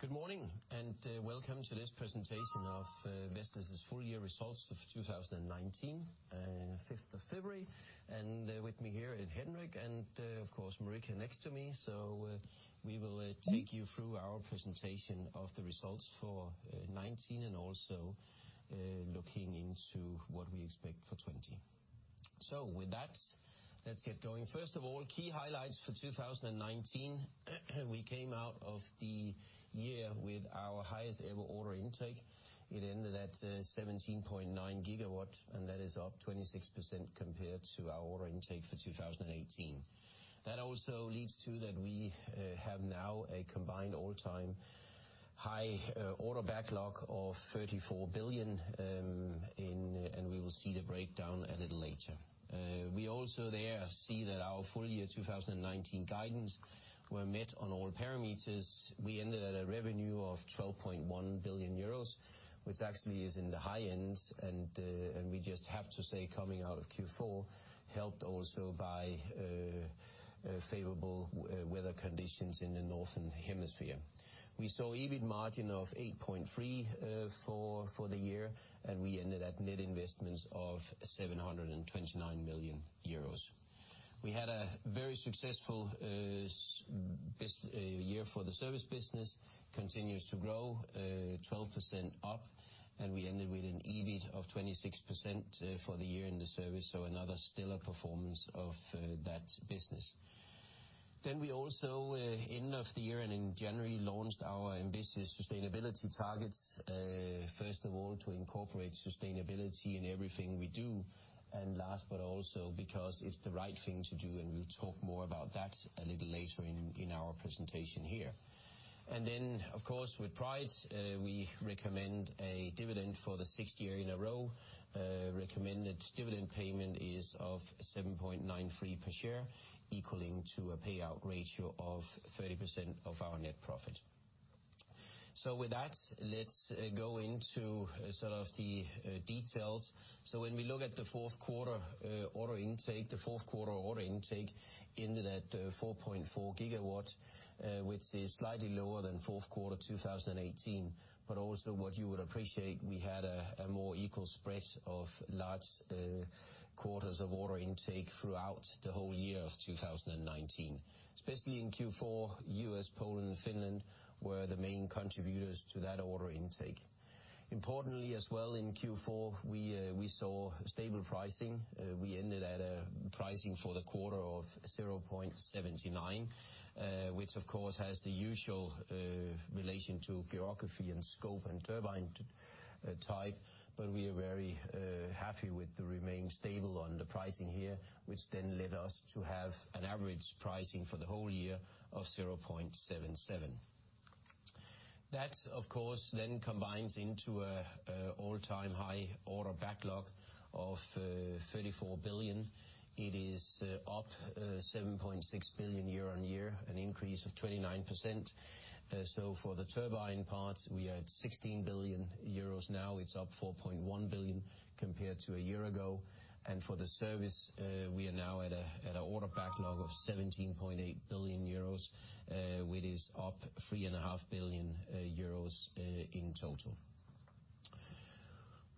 Good morning, welcome to this presentation of Vestas' Full Year Results of 2019, 5th of February. With me here- it's Henrik and, of course, Marika next to me. We will take you through our presentation of the results for 2019 and also looking into what we expect for 2020. With that, let's get going. First of all, key highlights for 2019. We came out of the year with our highest ever order intake. It ended at 17.9 GW, and that is up 26% compared to our order intake for 2018. That also leads to that we have now a combined all-time high order backlog of 34 billion, and we will see the breakdown a little later. We also there see that our full year 2019 guidance were met on all parameters. We ended at a revenue of 12.1 billion euros, which actually is in the high end. We just have to say coming out of Q4, helped also by favorable weather conditions in the Northern Hemisphere. We saw EBIT margin of 8.3% for the year, and we ended at net investments of 729 million euros. We had a very successful year for the Service business, continues to grow, 12% up, and we ended with an EBIT of 26% for the year in the service, so another stellar performance of that business. We also, end of the year and in January, launched our ambitious sustainability targets. First of all, to incorporate sustainability in everything we do, and last- but also because it's the right thing to do, and we'll talk more about that a little later in our presentation here. Of course, with pride, we recommend a dividend for the sixth year in a row- recommended dividend payment is of 7.93 per share, equaling to a payout ratio of 30% of our net profit. With that, let's go into sort of the details. When we look at the fourth quarter order intake, the fourth quarter order intake ended at 4.4 GW, which is slightly lower than fourth quarter 2018. Also what you would appreciate, we had a more equal spread of large quarters of order intake throughout the whole year of 2019. Especially in Q4, U.S., Poland, and Finland were the main contributors to that order intake. Importantly as well, in Q4, we saw stable pricing. We ended at a pricing for the quarter of 0.79, which of course has the usual relation to geography and scope and turbine type, but we are very happy with the remain stable on the pricing here, which led us to have an average pricing for the whole year of 0.77. That, of course, combines into an all-time high order backlog of 34 billion. It's up 7.6 billion year-on-year, an increase of 29%. For the turbine part, we are at 16 billion euros now. It's up 4.1 billion compared to a year ago. For the Service, we are now at an order backlog of 17.8 billion euros, which is up 3.5 billion euros in total.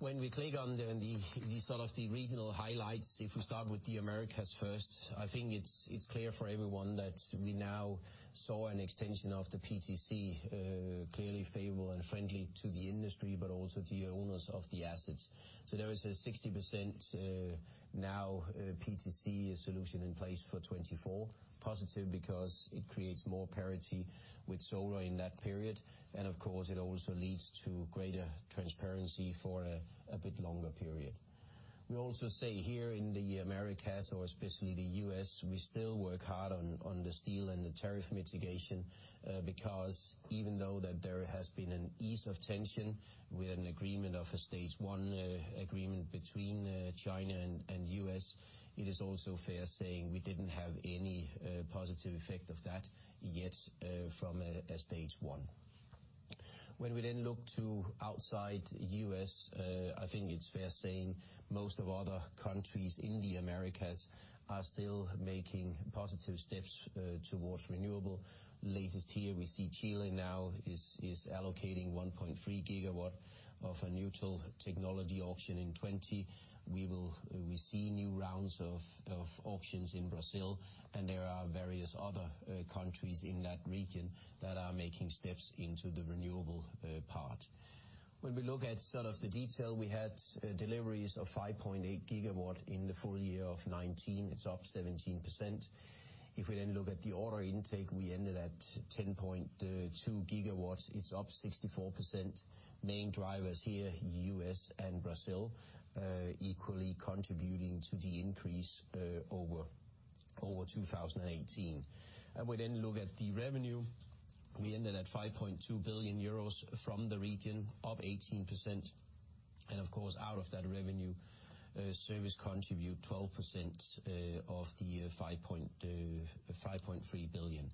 When we click on these sort of the regional highlights, if we start with the Americas first, I think it's clear for everyone that we now saw an extension of the PTC, clearly favorable and friendly to the industry, but also the owners of the assets. There is a 60% now PTC solution in place for 2024. Positive because it creates more parity with solar in that period, and of course, it also leads to greater transparency for a bit longer period. We also say here in the Americas, or especially the U.S., we still work hard on the steel and the tariff mitigation, because even though that there has been an ease of tension with an agreement of a stage 1 agreement between China and the U.S., it is also fair saying we didn't have any positive effect of that yet from a stage 1. We then look to outside the U.S., I think it's fair saying most of other countries in the Americas are still making positive steps towards renewable. Latest here we see Chile now is allocating 1.3 GW of a technology-neutral auction in 2020. We see new rounds of auctions in Brazil, there are various other countries in that region that are making steps into the renewable part. We look at some of the detail, we had deliveries of 5.8 GW in the full year of 2019. It's up 17%. We then look at the order intake, we ended at 10.2 GW. It's up 64%. Main drivers here, U.S. and Brazil, equally contributing to the increase over 2018. We then look at the revenue. We ended at 5.2 billion euros from the region, up 18%. Of course, out of that revenue, service contributes 12% of the 5.3 billion.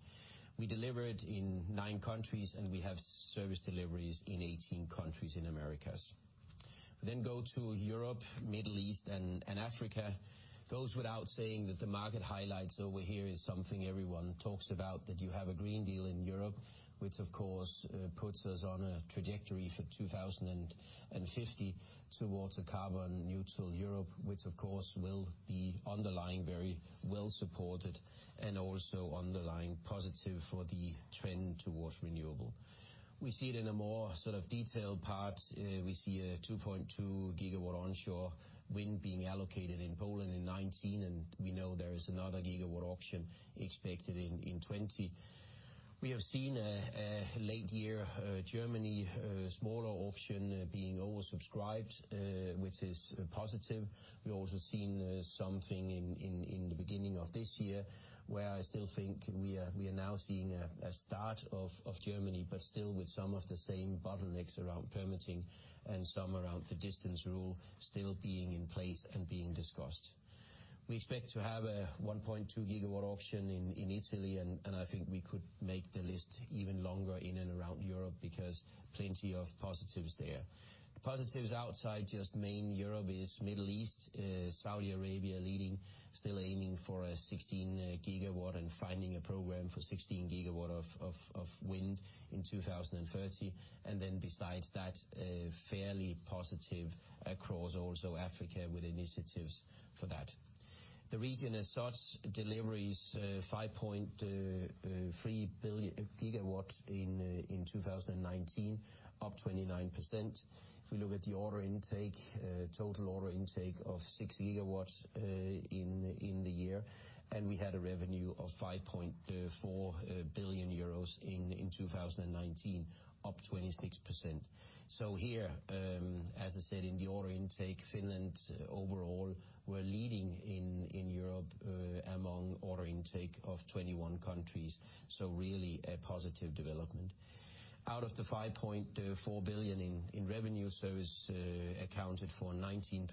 We delivered in nine countries, and we have service deliveries in 18 countries in Americas. Go to Europe, Middle East, and Africa. Goes without saying that the market highlights over here is something everyone talks about, that you have a European Green Deal in Europe, which of course, puts us on a trajectory for 2050 towards a carbon neutral Europe, which of course, will be underlying very well supported and also underlying positive for the trend towards renewable. We see it in a more detailed part. We see a 2.2 GW onshore wind being allocated in Poland in 2019, and we know there is another GW auction expected in 2020. We have seen a late year Germany smaller auction being oversubscribed, which is positive. We've also seen something in the beginning of this year, where I still think we are now seeing a start of Germany, but still with some of the same bottlenecks around permitting and some around the distance rule still being in place and being discussed. We expect to have a 1.2 GW auction in Italy, and I think we could make the list even longer in and around Europe because plenty of positives there. The positives outside just main Europe is Middle East- Saudi Arabia leading, still aiming for a 16 GW and finding a program for 16 GW of wind in 2030. Besides that, fairly positive across also Africa with initiatives for that. The region as such, deliveries 5.3 GW in 2019, up 29%. If we look at the order intake, total order intake of 6 GW in the year, and we had a revenue of 5.4 billion euros in 2019, up 26%. Here, as I said, in the order intake, Finland overall, we're leading in Europe, among order intake of 21 countries, so really a positive development. Out of the 5.4 billion in revenue, Service accounted for 19%,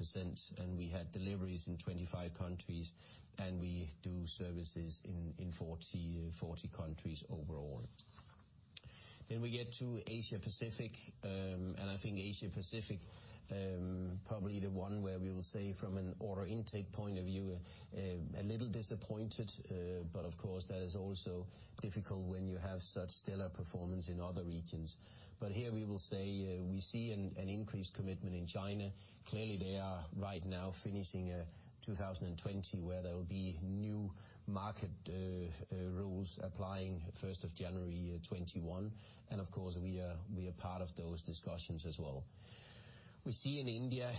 and we had deliveries in 25 countries, and we do services in 40 countries overall. We get to Asia-Pacific, and I think Asia-Pacific, probably the one where we will say from an order intake point of view, a little disappointed, but of course, that is also difficult when you have such stellar performance in other regions. Here we will say, we see an increased commitment in China. Clearly, they are right now finishing 2020, where there will be new market rules applying 1st of January 2021. Of course, we are part of those discussions as well. We see in India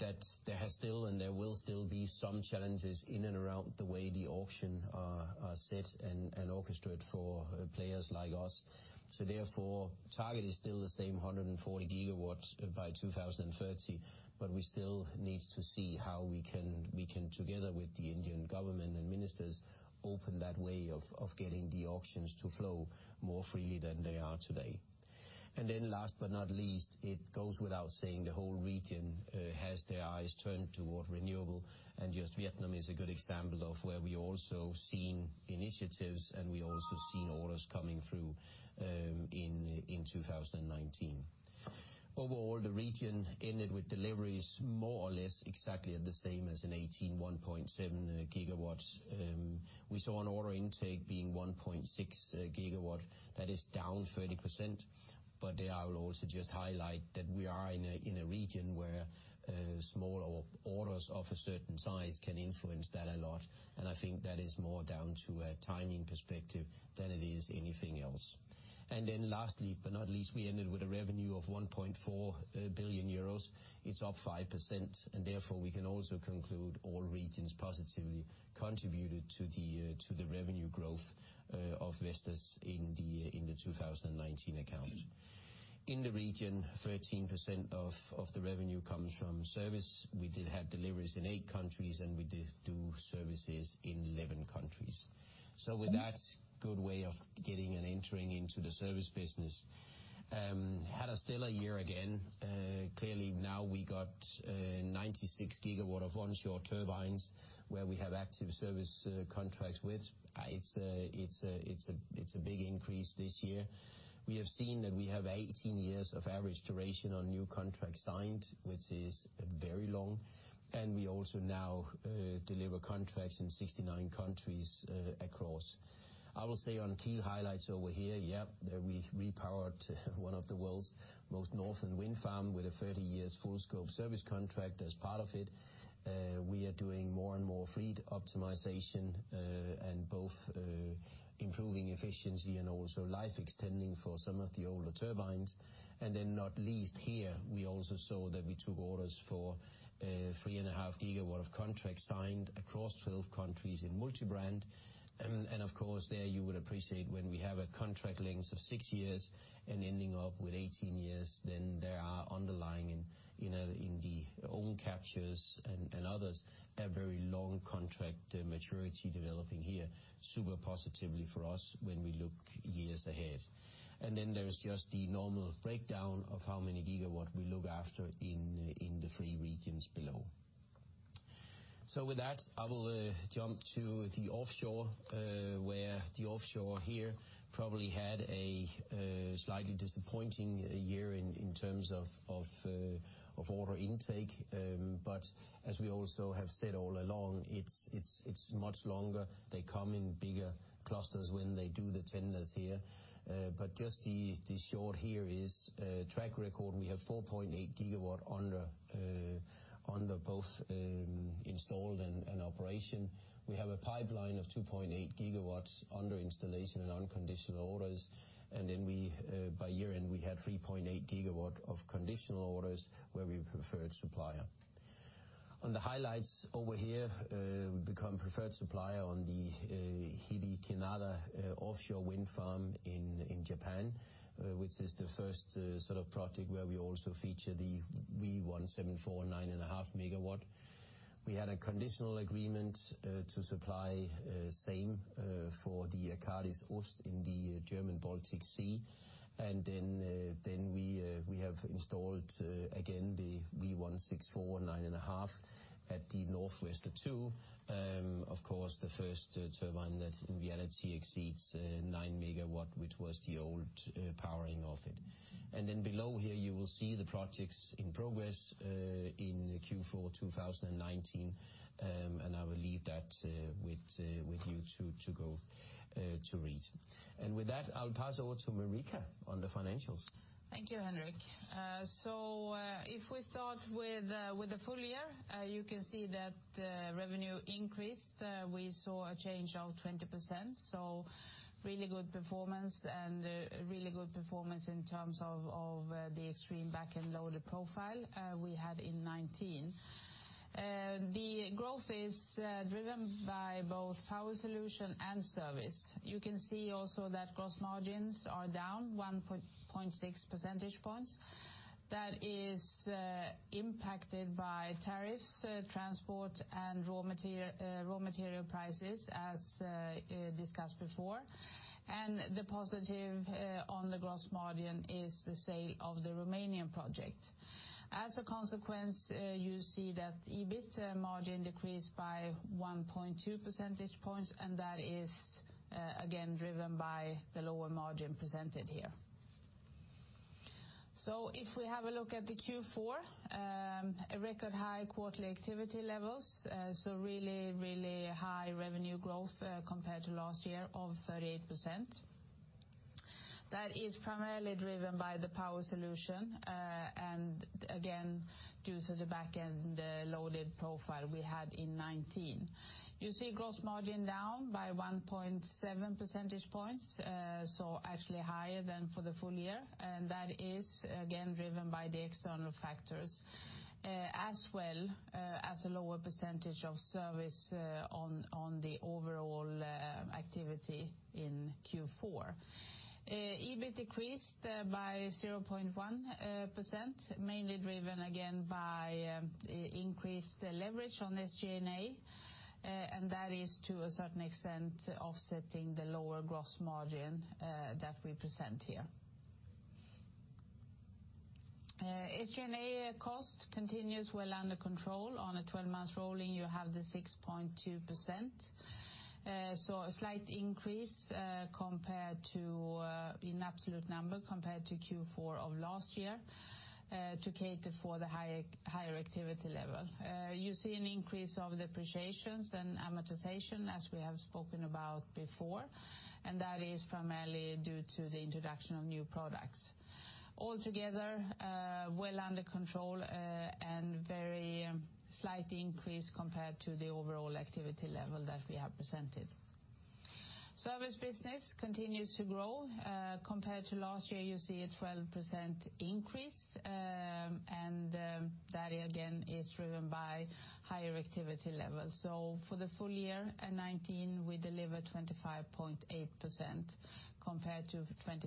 that there has still, and there will still be some challenges in and around the way the auctions are set and orchestrated for players like us. Therefore, target is still the same 140 GW by 2030, but we still need to see how we can, together with the Indian government and ministers, open that way of getting the auctions to flow more freely than they are today. Then last but not least, it goes without saying the whole region has their eyes turned toward renewables, and just Vietnam is a good example of where we also seen initiatives, and we also seen orders coming through in 2019. Overall, the region ended with deliveries more or less exactly the same as in 2018, 1.7 GW. We saw an order intake being 1.6 GW. That is down 30%. There I will also just highlight that we are in a region where smaller orders of a certain size can influence that a lot, and I think that is more down to a timing perspective than it is anything else. Lastly, but not least, we ended with a revenue of 1.4 billion euros. It's up 5%. Therefore, we can also conclude all regions positively contributed to the revenue growth of Vestas in the 2019 account. In the region, 13% of the revenue comes from Service. We did have deliveries in eight countries, and we do services in 11 countries. With that good way of getting and entering into the Service business. We had a stellar year again. Clearly now we got 96 GW of onshore turbines where we have active service contracts with. It's a big increase this year. We have seen that we have 18 years of average duration on new contracts signed, which is very long, and we also now deliver contracts in 69 countries across. I will say on key highlights over here- yeah, that we repowered one of the world's most northern wind farm with a 30 years full scope service contract as part of it. We are doing more and more fleet optimization, both improving efficiency and also life extending for some of the older turbines. Not least here, we also saw that we took orders for 3.5 GW of contracts signed across 12 countries in multi-brand. Of course, there you would appreciate when we have a contract length of six years and ending up with 18 years, then there are underlying in the own captures and others, a very long contract maturity developing here, super positively for us when we look years ahead. Then there's just the normal breakdown of how many gigawatt we look after in the three regions below. With that, I will jump to the offshore, where the offshore here probably had a slightly disappointing year in terms of order intake. As we also have said all along, it's much longer. They come in bigger clusters when they do the tenders here. Just the short here is track record. We have 4.8 GW under both installed and operation. We have a pipeline of 2.8 GW under installation and unconditional orders. By year-end, we had 3.8 GW of conditional orders where we preferred supplier. On the highlights over here, we become preferred supplier on the Hibikinada offshore wind farm in Japan, which is the first sort of project where we also feature the V174-9.5 MW. We had a conditional agreement to supply same for the Arcadis Ost in the German Baltic Sea. We have installed again the V164 9.5 at the Northwester 2. Of course, the first turbine that in reality exceeds 9 MW, which was the old powering of it. Below here you will see the projects in progress in Q4 2019. I will leave that with you to go to read. With that, I'll pass over to Marika on the financials. Thank you, Henrik. If we start with the full year, you can see that revenue increased- we saw a change of 20%. Really good performance and really good performance in terms of the extreme back-end loaded profile we had in 2019. The growth is driven by both Power Solutions and Service. You can see also that gross margins are down 1.6 percentage points. That is impacted by tariffs, transport, and raw material prices, as discussed before. The positive on the gross margin is the sale of the Romanian project. As a consequence, you see that EBIT margin decreased by 1.2 percentage points, and that is again driven by the lower margin presented here. If we have a look at the Q4, a record high quarterly activity levels, really high revenue growth compared to last year of 38%. That is primarily driven by the Power Solutions and again, due to the back-end loaded profile we had in 2019. You see gross margin down by 1.7 percentage points, so actually higher than for the full year. That is again driven by the external factors, as well as a lower percentage of service on the overall activity in Q4. EBIT decreased by 0.1%, mainly driven again by increased leverage on SG&A. That is to a certain extent offsetting the lower gross margin that we present here. SG&A cost continues well under control. On a 12 months rolling, you have the 6.2%, so a slight increase in absolute number compared to Q4 of last year, to cater for the higher activity level. You see an increase of depreciations and amortization, as we have spoken about before. That is primarily due to the introduction of new products. Altogether, well under control and very slight increase compared to the overall activity level that we have presented. Service business continues to grow. Compared to last year, you see a 12% increase, and that again is driven by higher activity levels. For the full year in 2019, we delivered 25.8% compared to 25.2%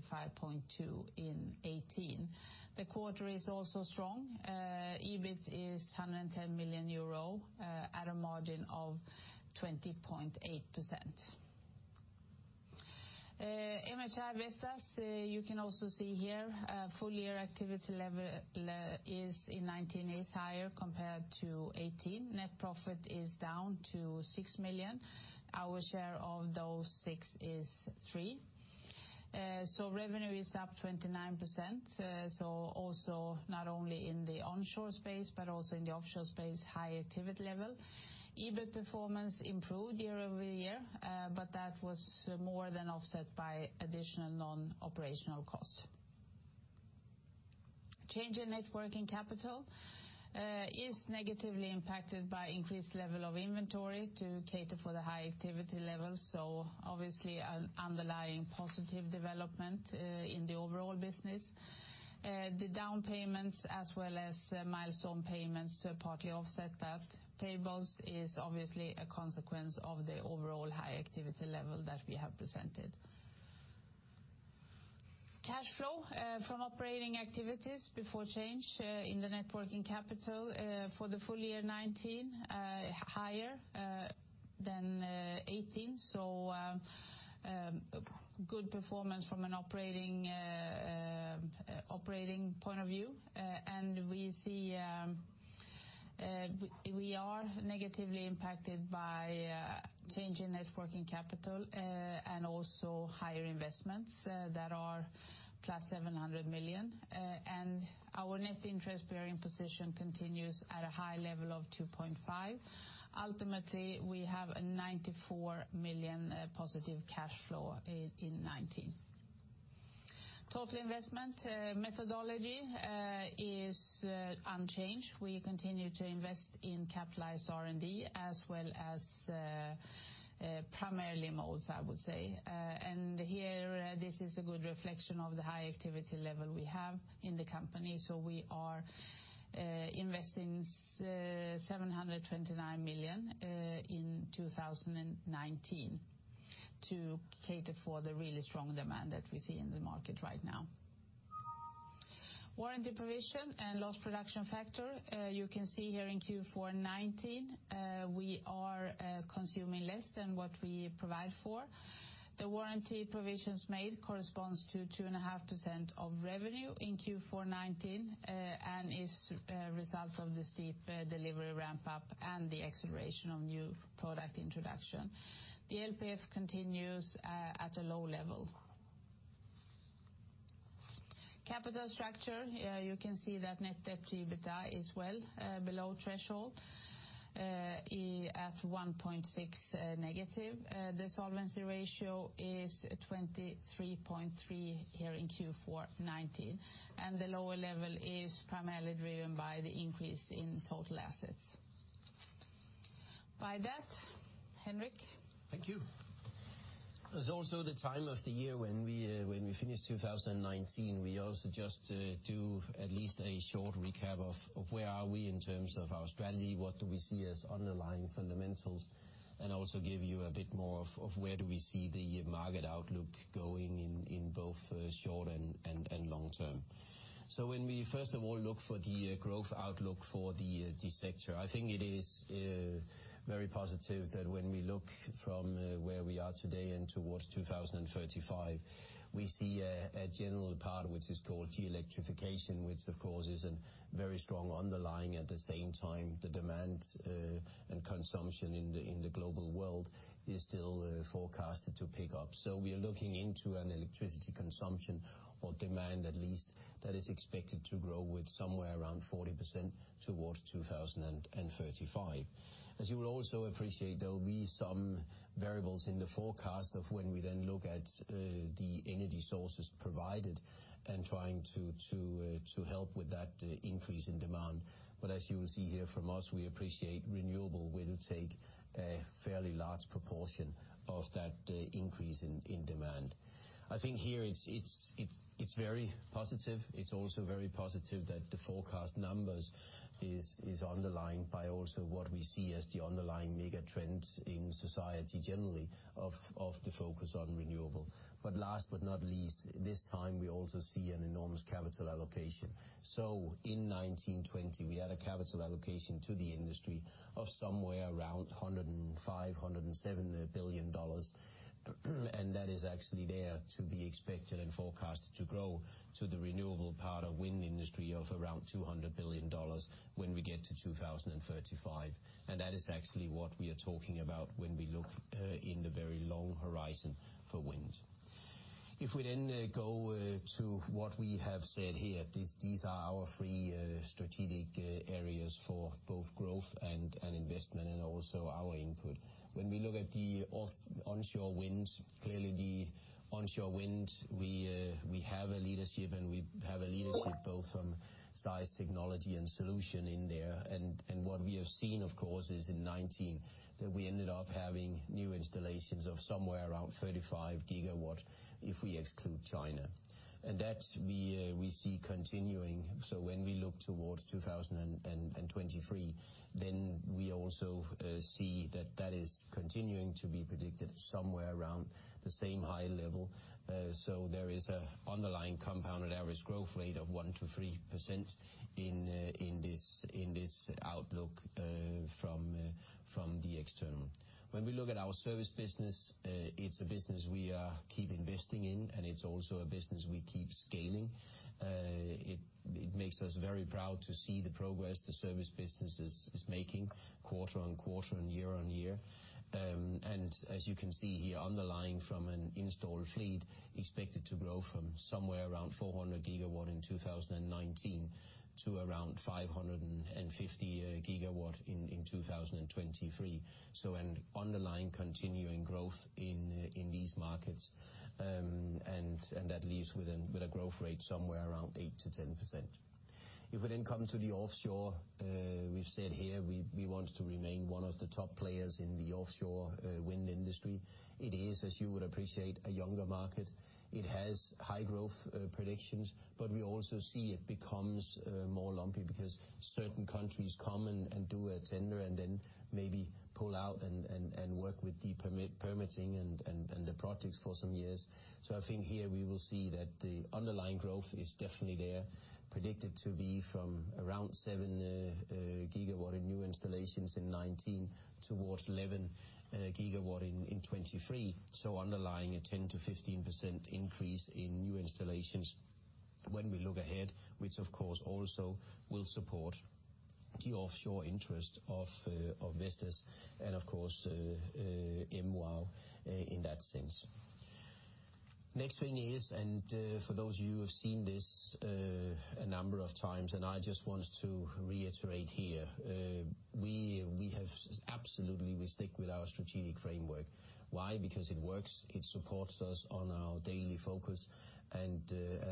in 2018. The quarter is also strong. EBIT is 110 million euro at a margin of 20.8%. MHI Vestas, you can also see here, full year activity level in 2019 is higher compared to 2018. Net profit is down to 6 million. Our share of those 6 million is 3 million. Revenue is up 29%, also not only in the onshore space but also in the offshore space, high activity level. EBIT performance improved year-over-year, that was more than offset by additional non-operational costs. Change in net working capital is negatively impacted by increased level of inventory to cater for the high activity levels, obviously underlying positive development in the overall business. The down payments as well as milestone payments partly offset that. Payables is obviously a consequence of the overall high activity level that we have presented. Cash flow from operating activities before change in the net working capital for the full year 2019, higher than 2018. Good performance from an operating point of view. We are negatively impacted by change in net working capital and also higher investments that are plus 700 million. Our net interest-bearing position continues at a high level of 2.5. Ultimately, we have a 94 million positive cash flow in 2019. Total investment methodology is unchanged. We continue to invest in capitalized R&D as well as primarily molds, I would say. Here, this is a good reflection of the high activity level we have in the company. We are investing EUR 729 million in 2019 to cater for the really strong demand that we see in the market right now. Warranty provision and lost production factor. You can see here in Q4 2019, we are consuming less than what we provide for. The warranty provisions made corresponds to 2.5% of revenue in Q4 2019, and is a result of the steep delivery ramp-up and the acceleration of new product introduction. The LPF continues at a low level. Capital structure. You can see that net debt-to-EBITDA is well below threshold at 1.6 negative. The solvency ratio is 23.3 here in Q4 2019, and the lower level is primarily driven by the increase in total assets. By that, Henrik. Thank you. It's also the time of the year- when we finish 2019. We also just do at least a short recap of where are we in terms of our strategy, what do we see as underlying fundamentals, and also give you a bit more of where do we see the market outlook going in both short and long term. When we first of all look for the growth outlook for the sector, I think it is very positive that when we look from where we are today and towards 2035, we see a general part which is called the electrification, which of course is very strong underlying at the same time, the demand and consumption in the global world is still forecasted to pick up. We are looking into an electricity consumption, or demand at least, that is expected to grow with somewhere around 40% towards 2035. As you will also appreciate, there will be some variables in the forecast of when we then look at the energy sources provided and trying to help with that increase in demand. As you will see here from us, we appreciate renewable will take a fairly large proportion of that increase in demand. I think here it's very positive- it's also very positive that the forecast numbers is underlined by also what we see as the underlying mega trends in society generally of the focus on renewable. Last but not least, this time we also see an enormous capital allocation. In 2019, 2020, we had a capital allocation to the industry of somewhere around $105-$107 billion, and that is actually there to be expected and forecasted to grow to the renewable part of wind industry of around $200 billion when we get to 2035. That is actually what we are talking about when we look in the very long horizon for wind. If we then go to what we have said here, these are our three strategic areas for both growth and investment and also our input. When we look at the onshore wind, clearly the onshore wind, we have a leadership, and we have a leadership both from size, technology, and solution in there. What we have seen, of course, is in 2019, that we ended up having new installations of somewhere around 35 GW if we exclude China. That we see continuing- so when we look towards 2023, then we also see that that is continuing to be predicted somewhere around the same high level. There is an underlying compounded average growth rate of 1%-3% in this outlook from the external. When we look at our Service business, it's a business we keep investing in, and it's also a business we keep scaling. It makes us very proud to see the progress the Service business is making quarter on quarter and year on year. As you can see here, underlying from an installed fleet expected to grow from somewhere around 400 GW in 2019 to around 550 GW in 2023. An underlying continuing growth in these markets, and that leaves with a growth rate somewhere around 8%-10%. If we then come to the offshore, we've said here we want to remain one of the top players in the offshore wind industry. It is, as you would appreciate, a younger market. It has high growth predictions, we also see it becomes more lumpy because certain countries come and do a tender and then maybe pull out and work with the permitting and the projects for some years. I think here we will see that the underlying growth is definitely there, predicted to be from around 7 GW in new installations in 2019, towards 11 GW in 2023. Underlying a 10%-15% increase in new installations when we look ahead, which of course also will support the offshore interest of investors and of course [MWOW] in that sense. Next thing is, for those of you who have seen this a number of times, I just want to reiterate here- we stick with our strategic framework. Why? It works, it supports us on our daily focus, and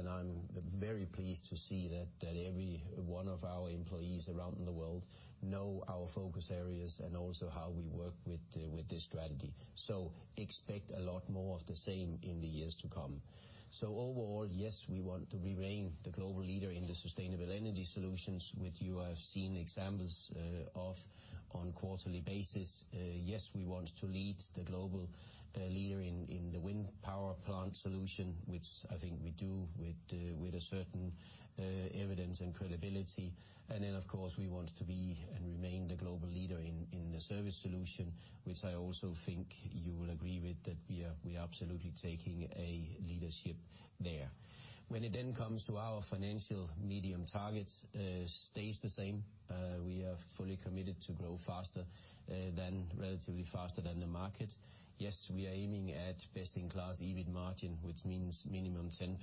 I'm very pleased to see that every one of our employees around the world know our focus areas and also how we work with this strategy. Expect a lot more of the same in the years to come. Overall, yes, we want to remain the global leader in the sustainable energy solutions, which you have seen examples of on quarterly basis. Yes, we want to lead the global leader in the wind power plant solution, which I think we do with a certain evidence and credibility. Of course, we want to be and remain the global leader in the service solution, which I also think you will agree with, that we are absolutely taking a leadership there. When it then comes to our financial medium targets, stays the same. We are fully committed to grow faster than, relatively faster than the market. Yes, we are aiming at best-in-class EBIT margin, which means minimum 10%.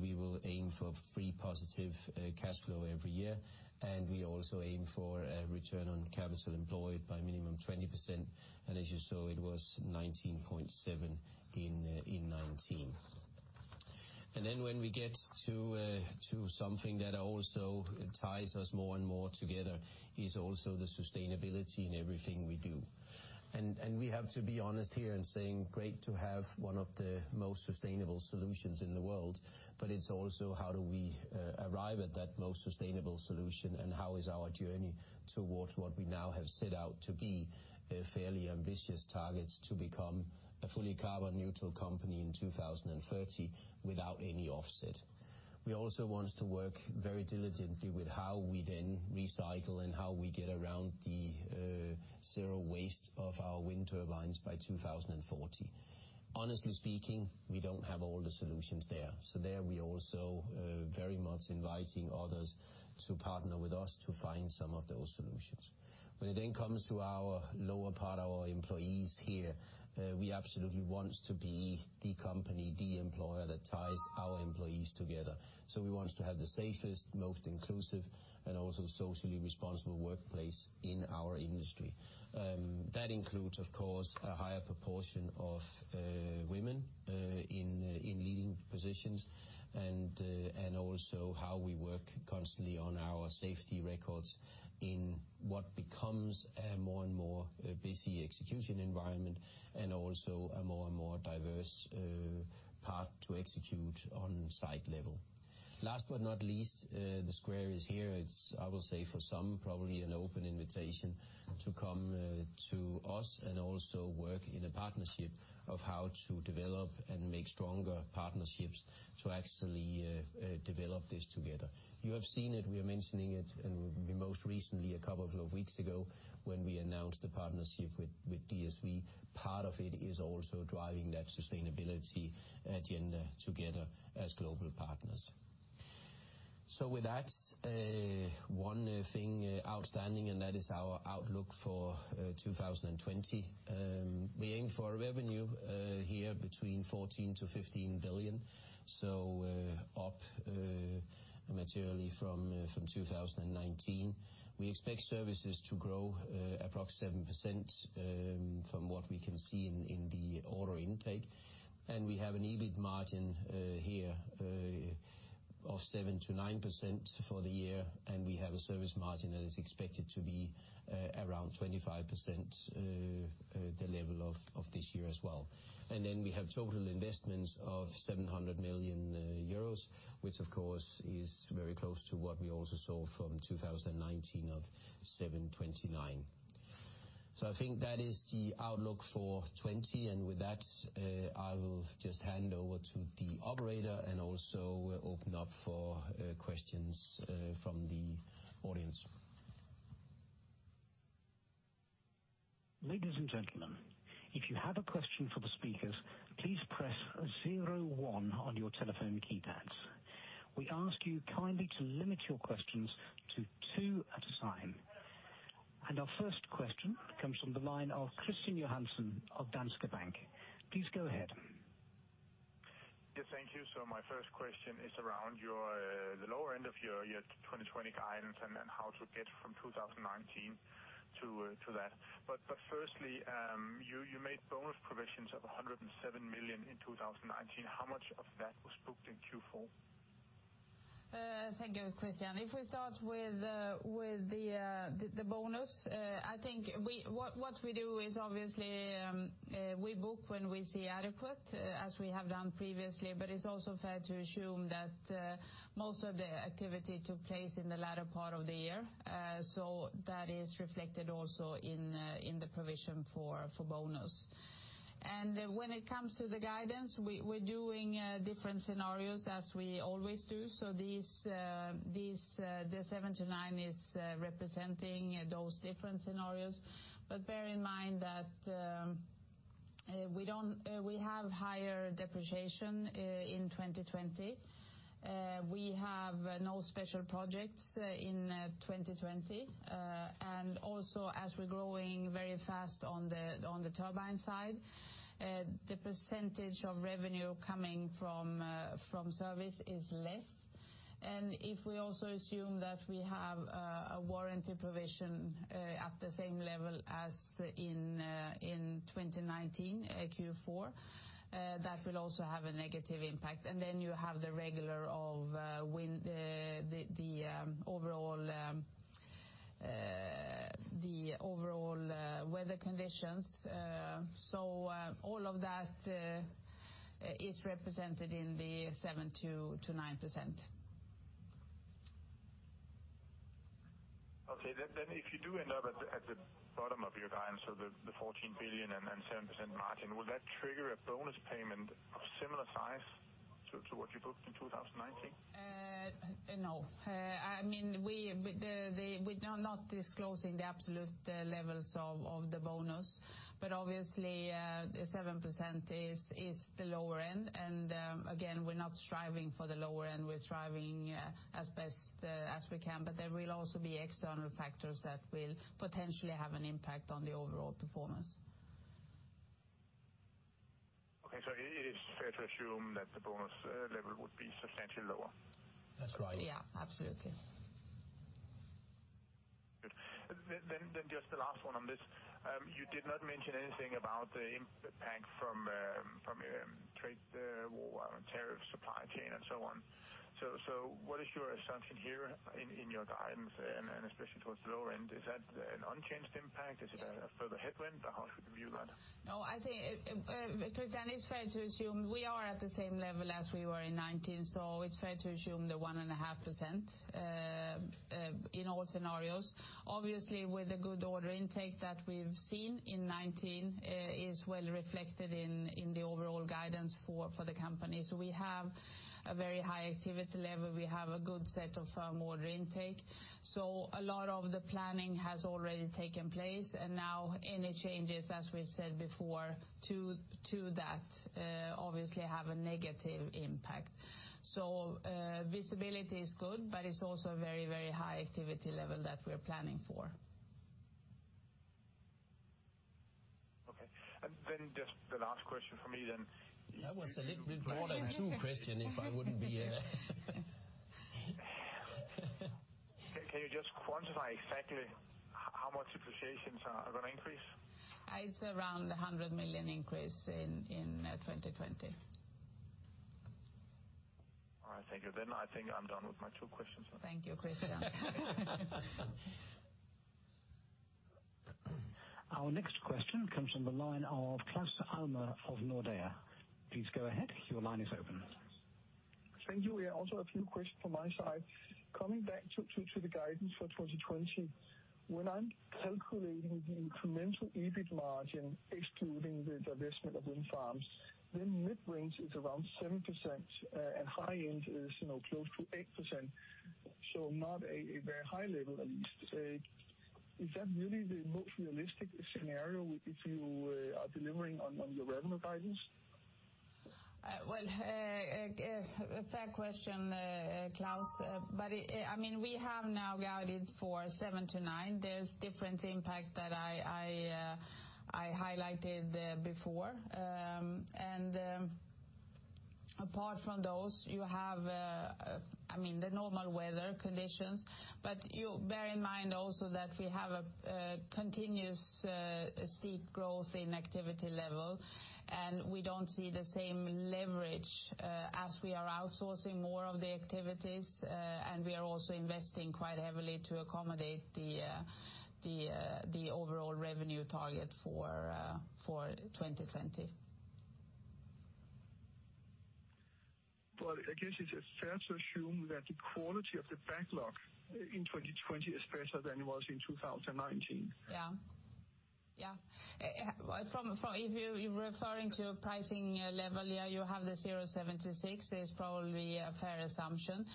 We will aim for free positive cash flow every year. We also aim for a return on capital employed by minimum 20%. As you saw, it was 19.7 in 2019. When we get to something that also ties us more and more together is also the sustainability in everything we do. We have to be honest here in saying great to have one of the most sustainable solutions in the world, but it's also how do we arrive at that most sustainable solution, and how is our journey towards what we now have set out to be fairly ambitious targets to become a fully carbon neutral company in 2030 without any offset. We also want to work very diligently with how we then recycle and how we get around the zero waste of our wind turbines by 2040. Honestly speaking, we don't have all the solutions there. There, we also very much inviting others to partner with us to find some of those solutions. When it then comes to our lower part, our employees here- we absolutely want to be the company, the employer that ties our employees together. We want to have the safest, most inclusive, and also socially responsible workplace in our industry. That includes, of course, a higher proportion of women in leading positions and also how we work constantly on our safety records in what becomes a more and more busy execution environment, and also a more and more diverse path to execute on site level. Last but not least, the square is here. It's, I will say for some, probably an open invitation to come to us and also work in a partnership of how to develop and make stronger partnerships to actually develop this together. You have seen it, we are mentioning it, and most recently, a couple of weeks ago, when we announced the partnership with DSV. Part of it is also driving that sustainability agenda together as global partners. With that, one thing outstanding, and that is our outlook for 2020. We aim for a revenue here between 14 billion-15 billion, so up materially from 2019. We expect Services to grow approx 7% from what we can see in the order intake, and we have an EBIT margin here of 7%-9% for the year, and we have a service margin that is expected to be around 25%, the level of this year as well. We have total investments of 700 million euros, which of course is very close to what we also saw from 2019 of 729. I think that is the outlook for 2020. I will just hand over to the operator and also open up for questions from the audience. Ladies and gentlemen, if you have a question for the speakers, please press zero one on your telephone keypads. We ask you kindly to limit your questions to two at a time. Our first question comes from the line of Kristian Johansen of Danske Bank. Please go ahead. Yes, thank you. My first question is around the lower end of your 2020 guidance and then how to get from 2019 to that. Firstly, you made bonus provisions of 107 million in 2019. How much of that was booked in Q4? Thank you, Kristian. If we start with the bonus, I think what we do is obviously, we book when we see adequate, as we have done previously, but it is also fair to assume that most of the activity took place in the latter part of the year. That is reflected also in the provision for bonus. When it comes to the guidance, we're doing different scenarios as we always do. The 7%-9% is representing those different scenarios. Bear in mind that we have higher depreciation in 2020. We have no special projects in 2020. Also, as we're growing very fast on the turbine side, the percentage of revenue coming from service is less. If we also assume that we have a warranty provision at the same level as in 2019 Q4, that will also have a negative impact. Then you have the regular of the overall weather conditions. All of that is represented in the 7%-9%. Okay. If you do end up at the bottom of your guidance, so the 14 billion and then 7% margin, will that trigger a bonus payment of similar size to what you booked in 2019? No. We're not disclosing the absolute levels of the bonus, but obviously, 7% is the lower end. Again, we're not striving for the lower end. We're striving as best as we can. There will also be external factors that will potentially have an impact on the overall performance. Okay, it is fair to assume that the bonus level would be substantially lower? That's right. Yeah, absolutely. Good. Just the last one on this. You did not mention anything about the impact from trade war on tariff supply chain and so on. What is your assumption here in your guidance and especially towards the lower end? Is that an unchanged impact? Is it a further headwind, or how should we view that? No, I think, Kris, it's fair to assume we are at the same level as we were in 2019. It's fair to assume the 1.5% in all scenarios. Obviously, with the good order intake that we've seen in 2019 is well reflected in the overall guidance for the company. We have a very high activity level. We have a good set of firm order intake. A lot of the planning has already taken place, and now any changes, as we've said before, to that, obviously have a negative impact. Visibility is good, but it's also a very high activity level that we're planning for. Okay. Just the last question for me then... That was a little bit more than two, Kristian, if I wouldn't be... Can you just quantify exactly how much depreciations are going to increase? It's around 100 million increase in 2020. All right, thank you. I think I'm done with my two questions. Thank you, Kristian. Our next question comes from the line of Claus Almer of Nordea. Please go ahead. Your line is open. Thank you. I also have a few questions from my side. Coming back to the guidance for 2020, when I'm calculating the incremental EBIT margin, excluding the divestment of wind farms, the mid-range is around 7%, and high end is close to 8%. Not a very high level, at least. Is that really the most realistic scenario if you are delivering on your revenue guidance? Well, fair question, Claus, we have now guided for 7-9. There's different impact that I highlighted before. Apart from those, you have the normal weather conditions. Bear in mind also that we have a continuous steep growth in activity level, and we don't see the same leverage as we are outsourcing more of the activities. We are also investing quite heavily to accommodate the overall revenue target for 2020. I guess it's fair to assume that the quality of the backlog in 2020 is better than it was in 2019. If you're referring to pricing level, you have the 076. It's probably a fair assumption.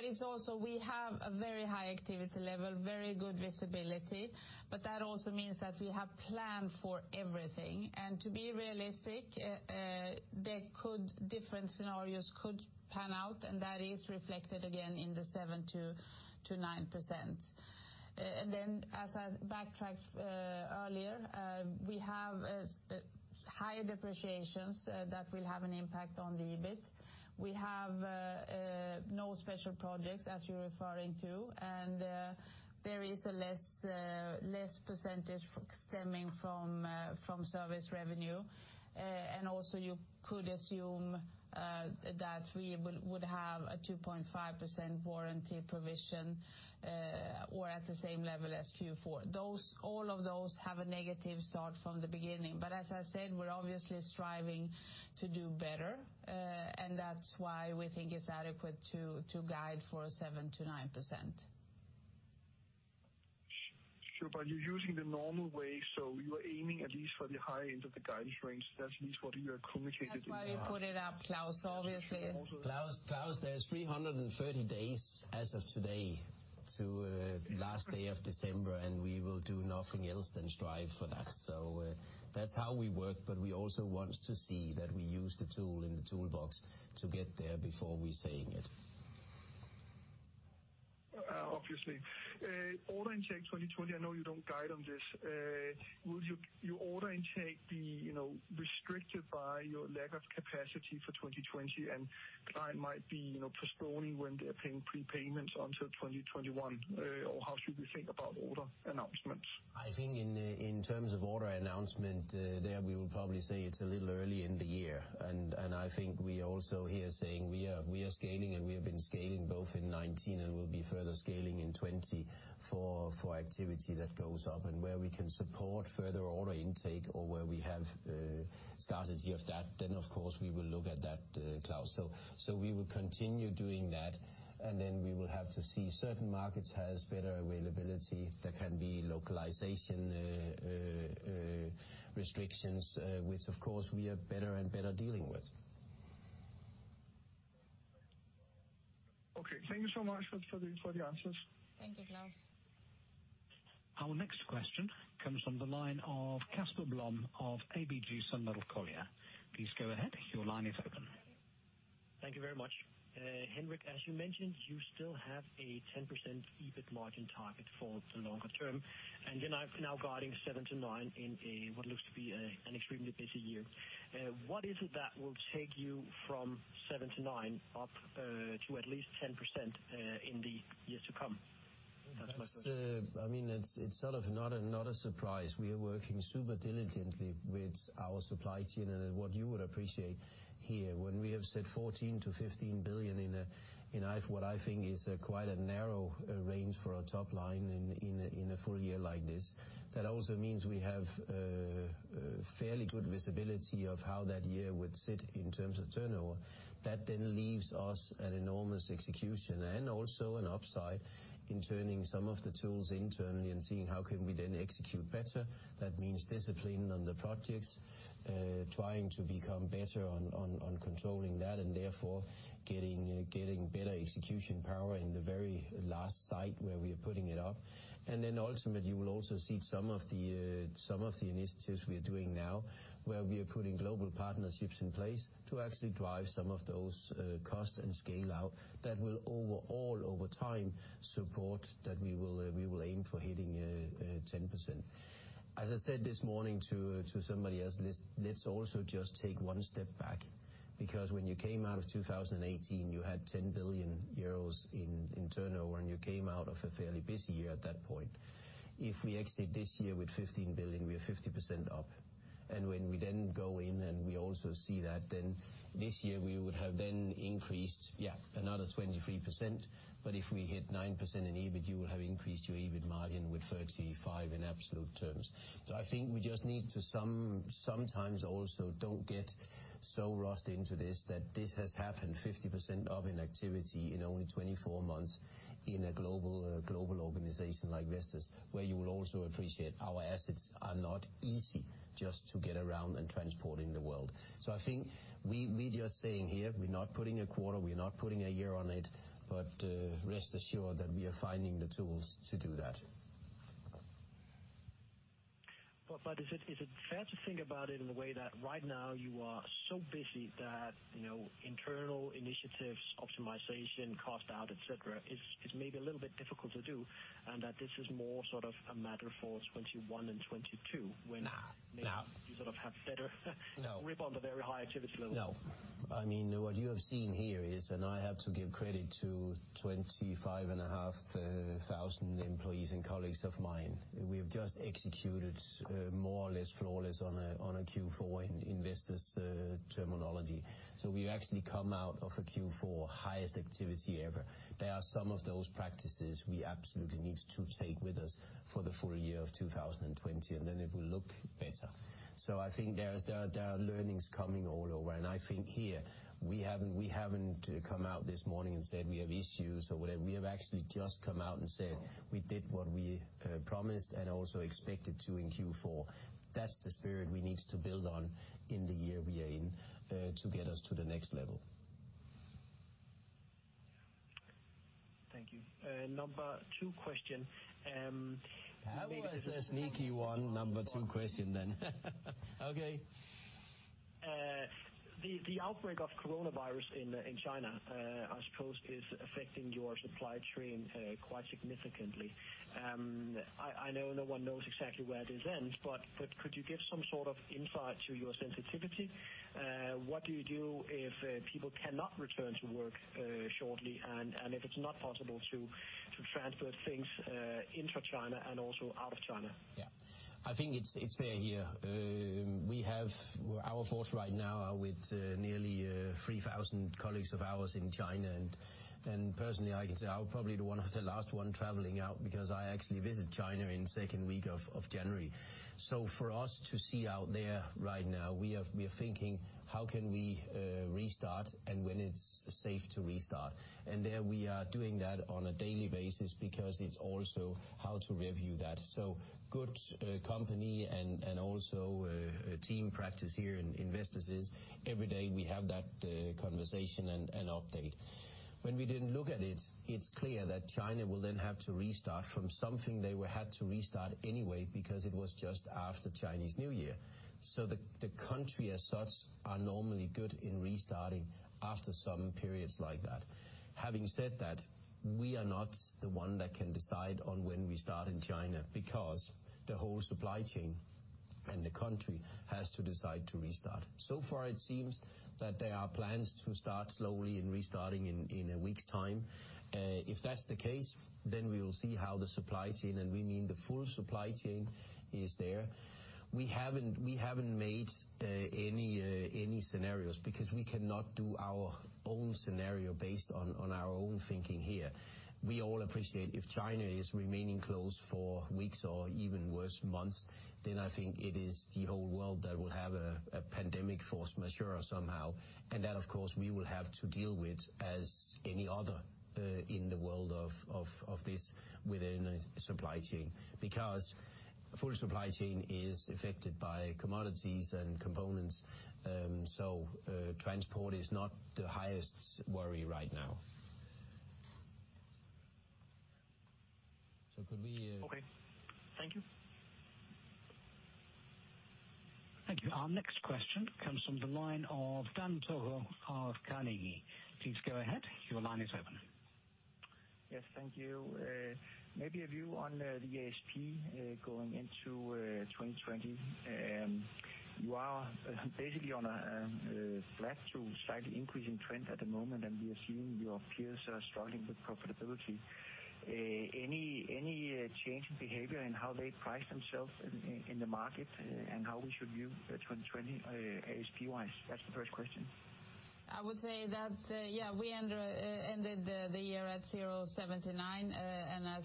It's also we have a very high activity level, very good visibility. That also means that we have planned for everything. To be realistic, different scenarios could pan out, and that is reflected again in the 7%-9%. As I backtracked earlier, we have higher depreciations that will have an impact on the EBIT. We have no special projects as you're referring to, and there is a less percentage stemming from service revenue. Also you could assume that we would have a 2.5% warranty provision or at the same level as Q4. All of those have a negative start from the beginning. As I said, we're obviously striving to do better, and that's why we think it's adequate to guide for 7%-9%. Sure. You're using the normal way, you are aiming at least for the high end of the guidance range. That's at least what you have communicated in the past. That's why we put it up, Claus, obviously... Claus, there's 330 days as of today to last day of December. We will do nothing else than strive for that. That's how we work, but we also want to see that we use the tool in the toolbox to get there before we're saying it. Obviously. Order intake 2020- I know you don't guide on this. Will your order intake be restricted by your lack of capacity for 2020 and client might be postponing when they're paying prepayments until 2021? How should we think about order announcements? I think in terms of order announcement, there, we would probably say it's a little early in the year. I think we also here saying we are scaling. We have been scaling both in 2019 and will be further scaling in 2020 for activity that goes up and where we can support further order intake or where we have scarcity of that. Of course, we will look at that, Claus. We will continue doing that. We will have to see- certain markets has better availability. There can be localization restrictions, which of course, we are better and better dealing with. Okay. Thank you so much for the answers. Thank you, Claus. Our next question comes from the line of Casper Blom of ABG Sundal Collier. Please go ahead. Your line is open. Thank you very much. Henrik, as you mentioned, you still have a 10% EBIT margin target for the longer term, and you're now guiding 7%-9% in what looks to be an extremely busy year. What is it that will take you from 7%-9% up to at least 10% in the years to come? That's my question. It's sort of- not a surprise. We are working super diligently with our supply chain. What you would appreciate here, when we have said 14 billion-15 billion in what I think is quite a narrow range for our top line in a full year like this. Also means we have fairly good visibility of how that year would sit in terms of turnover. Leaves us an enormous execution and also an upside in turning some of the tools internally and seeing how can we then execute better. Means discipline on the projects, trying to become better on controlling that, and therefore getting better execution power in the very last site where we are putting it up. Ultimately, you will also see some of the initiatives we are doing now, where we are putting global partnerships in place to actually drive some of those cost and scale-out that will overall, over time, support that we will aim for hitting 10%. As I said this morning to somebody else, let's also just take one step back, because when you came out of 2018, you had 10 billion euros in turnover, and you came out of a fairly busy year at that point. If we exit this year with 15 billion, we are 50% up. When we then go in and we also see that, then this year we would have then increased another 23%. If we hit 9% in EBIT, you will have increased your EBIT margin with 35 in absolute terms. I think we just need to sometimes also don't get so lost into this, that this has happened 50% up in activity in only 24 months in a global organization like Vestas, where you will also appreciate our assets are not easy just to get around and transport in the world. I think we're just saying here, we're not putting a quarter, we're not putting a year on it, but rest assured that we are finding the tools to do that. Is it fair to think about it in a way that right now you are so busy that internal initiatives, optimization, cost out, et cetera, is maybe a little bit difficult to do, and that this is more sort of a matter for 2021 and 2022- you sort of have better grip on the very high activity level? No. What you have seen here is, and I have to give credit to 25,500 employees and colleagues of mine. We have just executed more or less flawless on a Q4 in Vestas terminology. We've actually come out of a Q4 highest activity ever. There are some of those practices we absolutely need to take with us for the full year of 2020, and then it will look better. I think there are learnings coming all over, and I think here, we haven't come out this morning and said we have issues or whatever. We have actually just come out and said we did what we promised and also expected to in Q4. That's the spirit we need to build on in the year we are in to get us to the next level. Thank you. Number two question. That was a sneaky one, number two question then. Okay. The outbreak of coronavirus in China, I suppose is affecting your supply chain quite significantly. I know no one knows exactly where this ends, but could you give some sort of insight to your sensitivity? What do you do if people cannot return to work shortly, and if it's not possible to transfer things into China and also out of China? Yeah. I think it's fair here. Our thoughts right now are with nearly 3,000 colleagues of ours in China. Personally, I can say I was probably the last one traveling out because I actually visit China in the second week of January. For us to see out there right now, we are thinking, "How can we restart, and when it's safe to restart?" There we are doing that on a daily basis because it's also how to review that. So, good company and also team practice here in Vestas is every day we have that conversation and update. When we then look at it's clear that China will then have to restart from something they had to restart anyway because it was just after Chinese New Year. The country as such are normally good in restarting after some periods like that. Having said that, we are not the one that can decide on when we start in China, because the whole supply chain and the country has to decide to restart. So far, it seems that there are plans to start slowly in restarting in a week's time. If that's the case, we will see how the supply chain, and we mean the full supply chain, is there. We haven't made any scenarios because we cannot do our own scenario based on our own thinking here. We all appreciate if China is remaining closed for weeks or even worse, months, I think it is the whole world that will have a pandemic force majeure somehow. That, of course, we will have to deal with as any other in the world of this within a supply chain. Full supply chain is affected by commodities and components, so transport is not the highest worry right now. Okay. Thank you. Thank you. Our next question comes from the line of Dan Togo of Carnegie. Please go ahead. Your line is open. Yes. Thank you. Maybe a view on the ASP going into 2020. You are basically on a flat to slightly increasing trend at the moment, and we assume your peers are struggling with profitability. Any change in behavior in how they price themselves in the market, and how we should view 2020 ASP-wise? That's the first question. I would say that, yeah, we ended the year at 0.79. As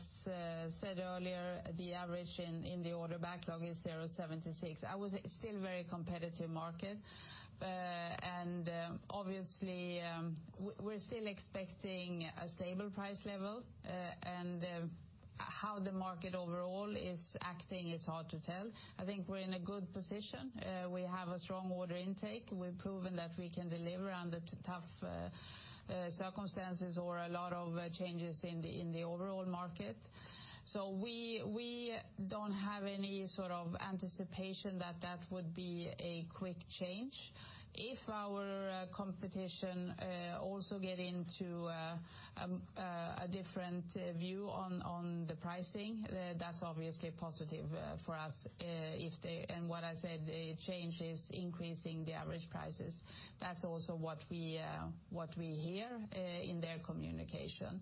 said earlier, the average in the order backlog is 0.76. It was still very competitive market. Obviously, we're still expecting a stable price level. How the market overall is acting is hard to tell. I think we're in a good position. We have a strong order intake. We've proven that we can deliver under tough circumstances or a lot of changes in the overall market. We don't have any sort of anticipation that that would be a quick change. If our competition also get into a different view on the pricing, that's obviously positive for us. What I said, the change is increasing the average prices. That's also what we hear in their communication.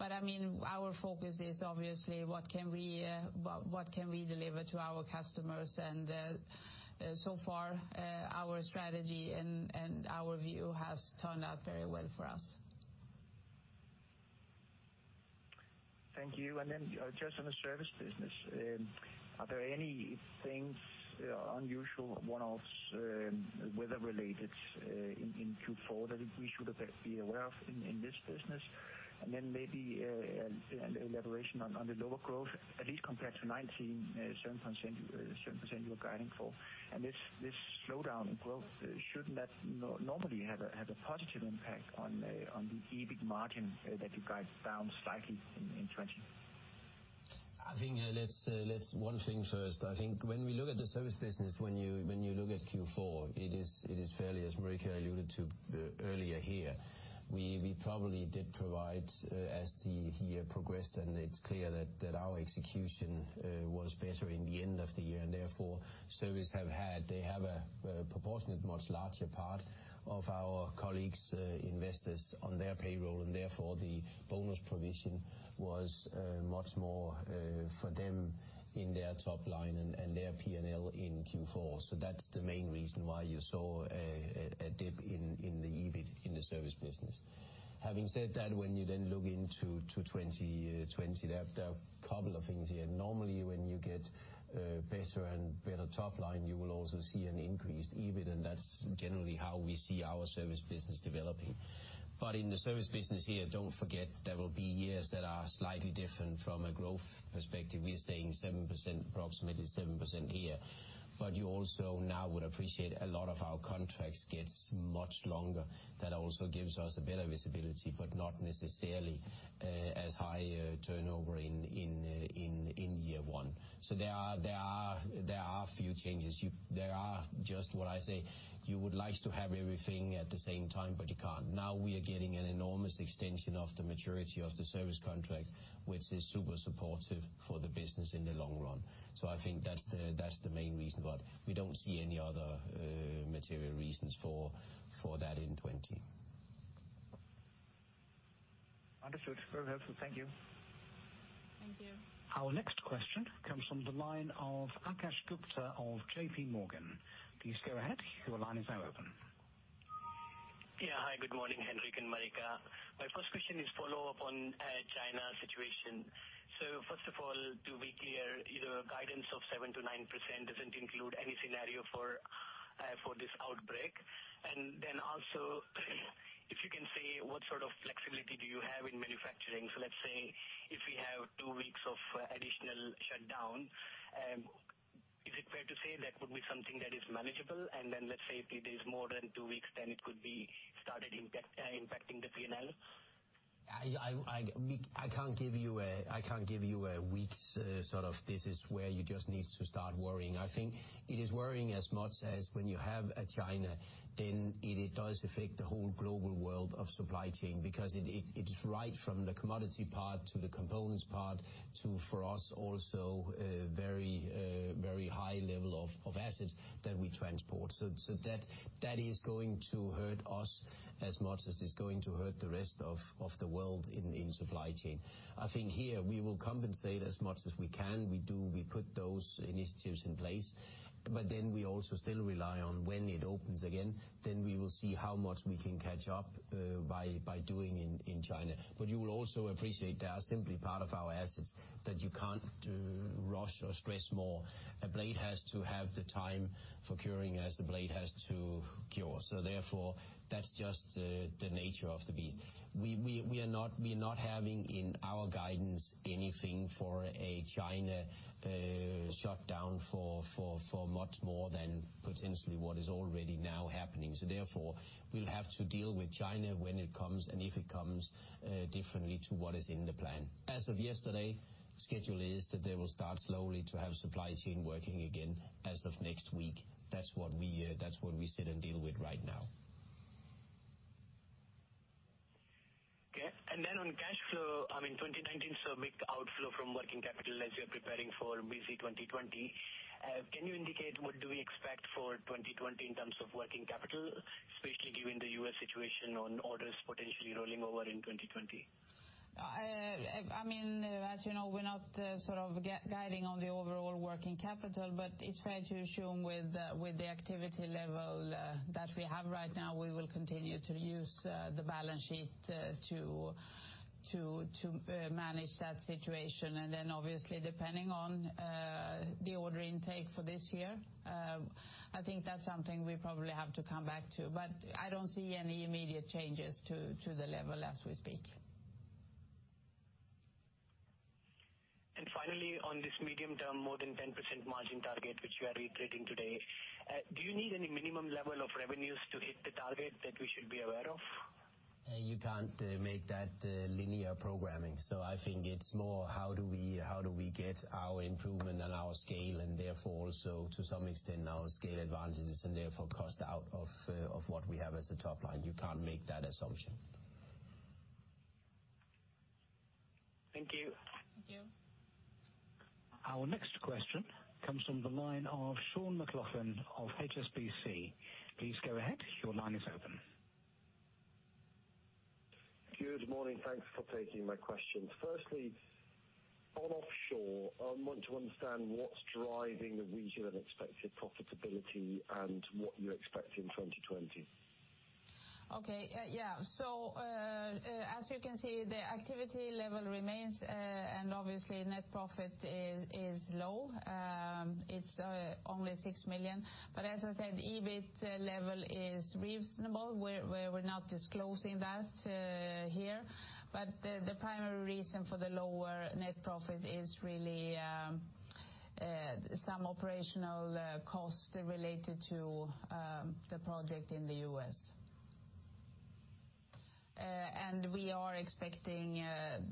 Our focus is obviously what can we deliver to our customers, and so far, our strategy and our view has turned out very well for us. Thank you. Just on the Service business, are there any things unusual, one-offs, weather-related in Q4 that we should be aware of in this business? Maybe an elaboration on the lower growth, at least compared to 2019, 7% you're guiding for. This slowdown in growth, shouldn't that normally have a positive impact on the EBIT margin that you guide down slightly in 2020? I think let's one thing first. I think when we look at the Service business, when you look at Q4, it is fairly- as Marika alluded to earlier here, we probably did provide as the year progressed, and it's clear that our execution was better in the end of the year, and therefore, service have had, they have a proportionate much larger part of our colleagues, Vestas on their payroll, and therefore the bonus provision was much more for them in their top line and their P&L in Q4. That's the main reason why you saw a dip in the EBIT in the Service business. Having said that, when you then look into 2020, there are a couple of things here. Normally, when you get better and better top line, you will also see an increased EBIT, and that's generally how we see our Service business developing. In the Service business here, don't forget there will be years that are slightly different from a growth perspective. We're saying 7%, approximately 7% here. You also now would appreciate a lot of our contracts gets much longer- that also gives us a better visibility, but not necessarily as high a turnover in year one. There are a few changes. There are just what I say, you would like to have everything at the same time, but you can't. Now we are getting an enormous extension of the maturity of the service contract, which is super supportive for the business in the long run. I think that's the main reason why. We don't see any other material reasons for that in 2020. Understood. Very helpful. Thank you. Thank you. Our next question comes from the line of Akash Gupta of JPMorgan. Please go ahead. Your line is now open. Hi, good morning, Henrik and Marika. My first question is follow-up on China situation. First of all, to be clear, either guidance of 7%-9% doesn't include any scenario for this outbreak. Also, if you can say what sort of flexibility do you have in manufacturing? Let's say if we have two weeks of additional shutdown, is it fair to say that would be something that is manageable? Let's say if it is more than two weeks, then it could be started impacting the P&L? I can't give you a week's sort of, this is where you just need to start worrying. I think it is worrying as much as when you have a China, then it does affect the whole global world of supply chain because it is right from the commodity part to the components part to, for us also, very high level of assets that we transport. That is going to hurt us as much as it's going to hurt the rest of the world in supply chain. I think here we will compensate as much as we can. We do, we put those initiatives in place. We also still rely on when it opens again, then we will see how much we can catch up by doing in China. You will also appreciate there are simply part of our assets that you can't rush or stress more. A blade has to have the time for curing as the blade has to cure. Therefore, that's just the nature of the beast. We are not having, in our guidance, anything for a China shutdown for much more than potentially what is already now happening. Therefore, we'll have to deal with China when it comes and if it comes differently to what is in the plan. As of yesterday, schedule is that they will start slowly to have supply chain working again as of next week. That's what we sit and deal with right now. Okay. Then on cash flow- I mean, 2019 saw mid outflow from working capital as you're preparing for busy 2020. Can you indicate what do we expect for 2020 in terms of working capital, especially given the U.S. situation on orders potentially rolling over in 2020? As you know, we're not sort of guiding on the overall working capital. It's fair to assume with the activity level that we have right now, we will continue to use the balance sheet to manage that situation. Obviously depending on the order intake for this year, I think that's something we probably have to come back to. I don't see any immediate changes to the level as we speak. Finally, on this medium term, more than 10% margin target, which you are reiterating today, do you need any minimum level of revenues to hit the target that we should be aware of? You can't make that linear programming. I think it's more how do we get our improvement and our scale and therefore also to some extent our scale advantages and therefore cost out of what we have as a top line. You can't make that assumption. Thank you. Thank you. Our next question comes from the line of Sean McLoughlin of HSBC. Please go ahead. Your line is open. Good morning. Thanks for taking my questions. Firstly, on offshore, I want to understand what's driving the weaker than expected profitability and what you expect in 2020. Okay- yeah. As you can see, the activity level remains, and obviously net profit is low. It's only 6 million. As I said, EBIT level is reasonable. We're not disclosing that here. The primary reason for the lower net profit is really some operational costs related to the project in the U.S. We are expecting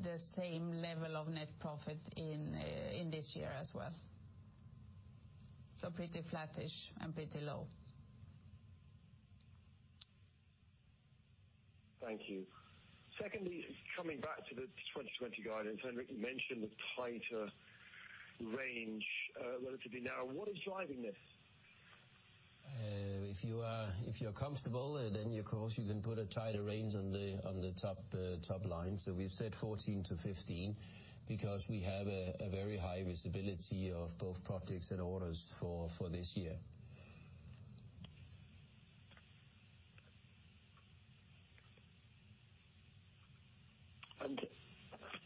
the same level of net profit in this year as well- so, pretty flattish and pretty low. Thank you. Secondly, coming back to the 2020 guidance, Henrik mentioned the tighter range, relatively narrow. What is driving this? If you're comfortable, of course, you can put a tighter range on the top line. We've said 14-15 because we have a very high visibility of both projects and orders for this year.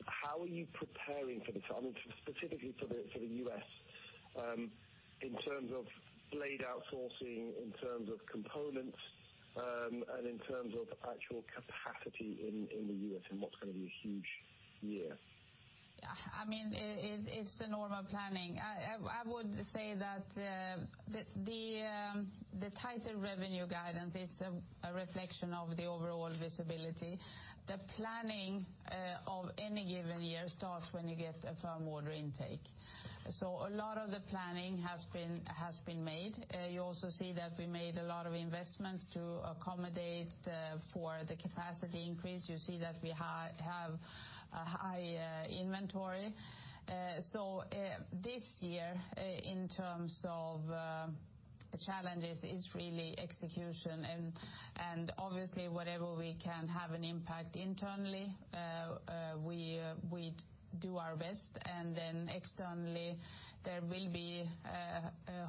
How are you preparing for this? I mean, specifically for the U.S., in terms of blade outsourcing, in terms of components, and in terms of actual capacity in the U.S. in what's going to be a huge year? It's the normal planning. The tighter revenue guidance is a reflection of the overall visibility. The planning of any given year starts when you get a firm order intake. A lot of the planning has been made. You also see that we made a lot of investments to accommodate for the capacity increase. You see that we have-a high inventory. This year, in terms of challenges, is really execution and obviously whatever we can have an impact internally, we do our best. Externally, there will be,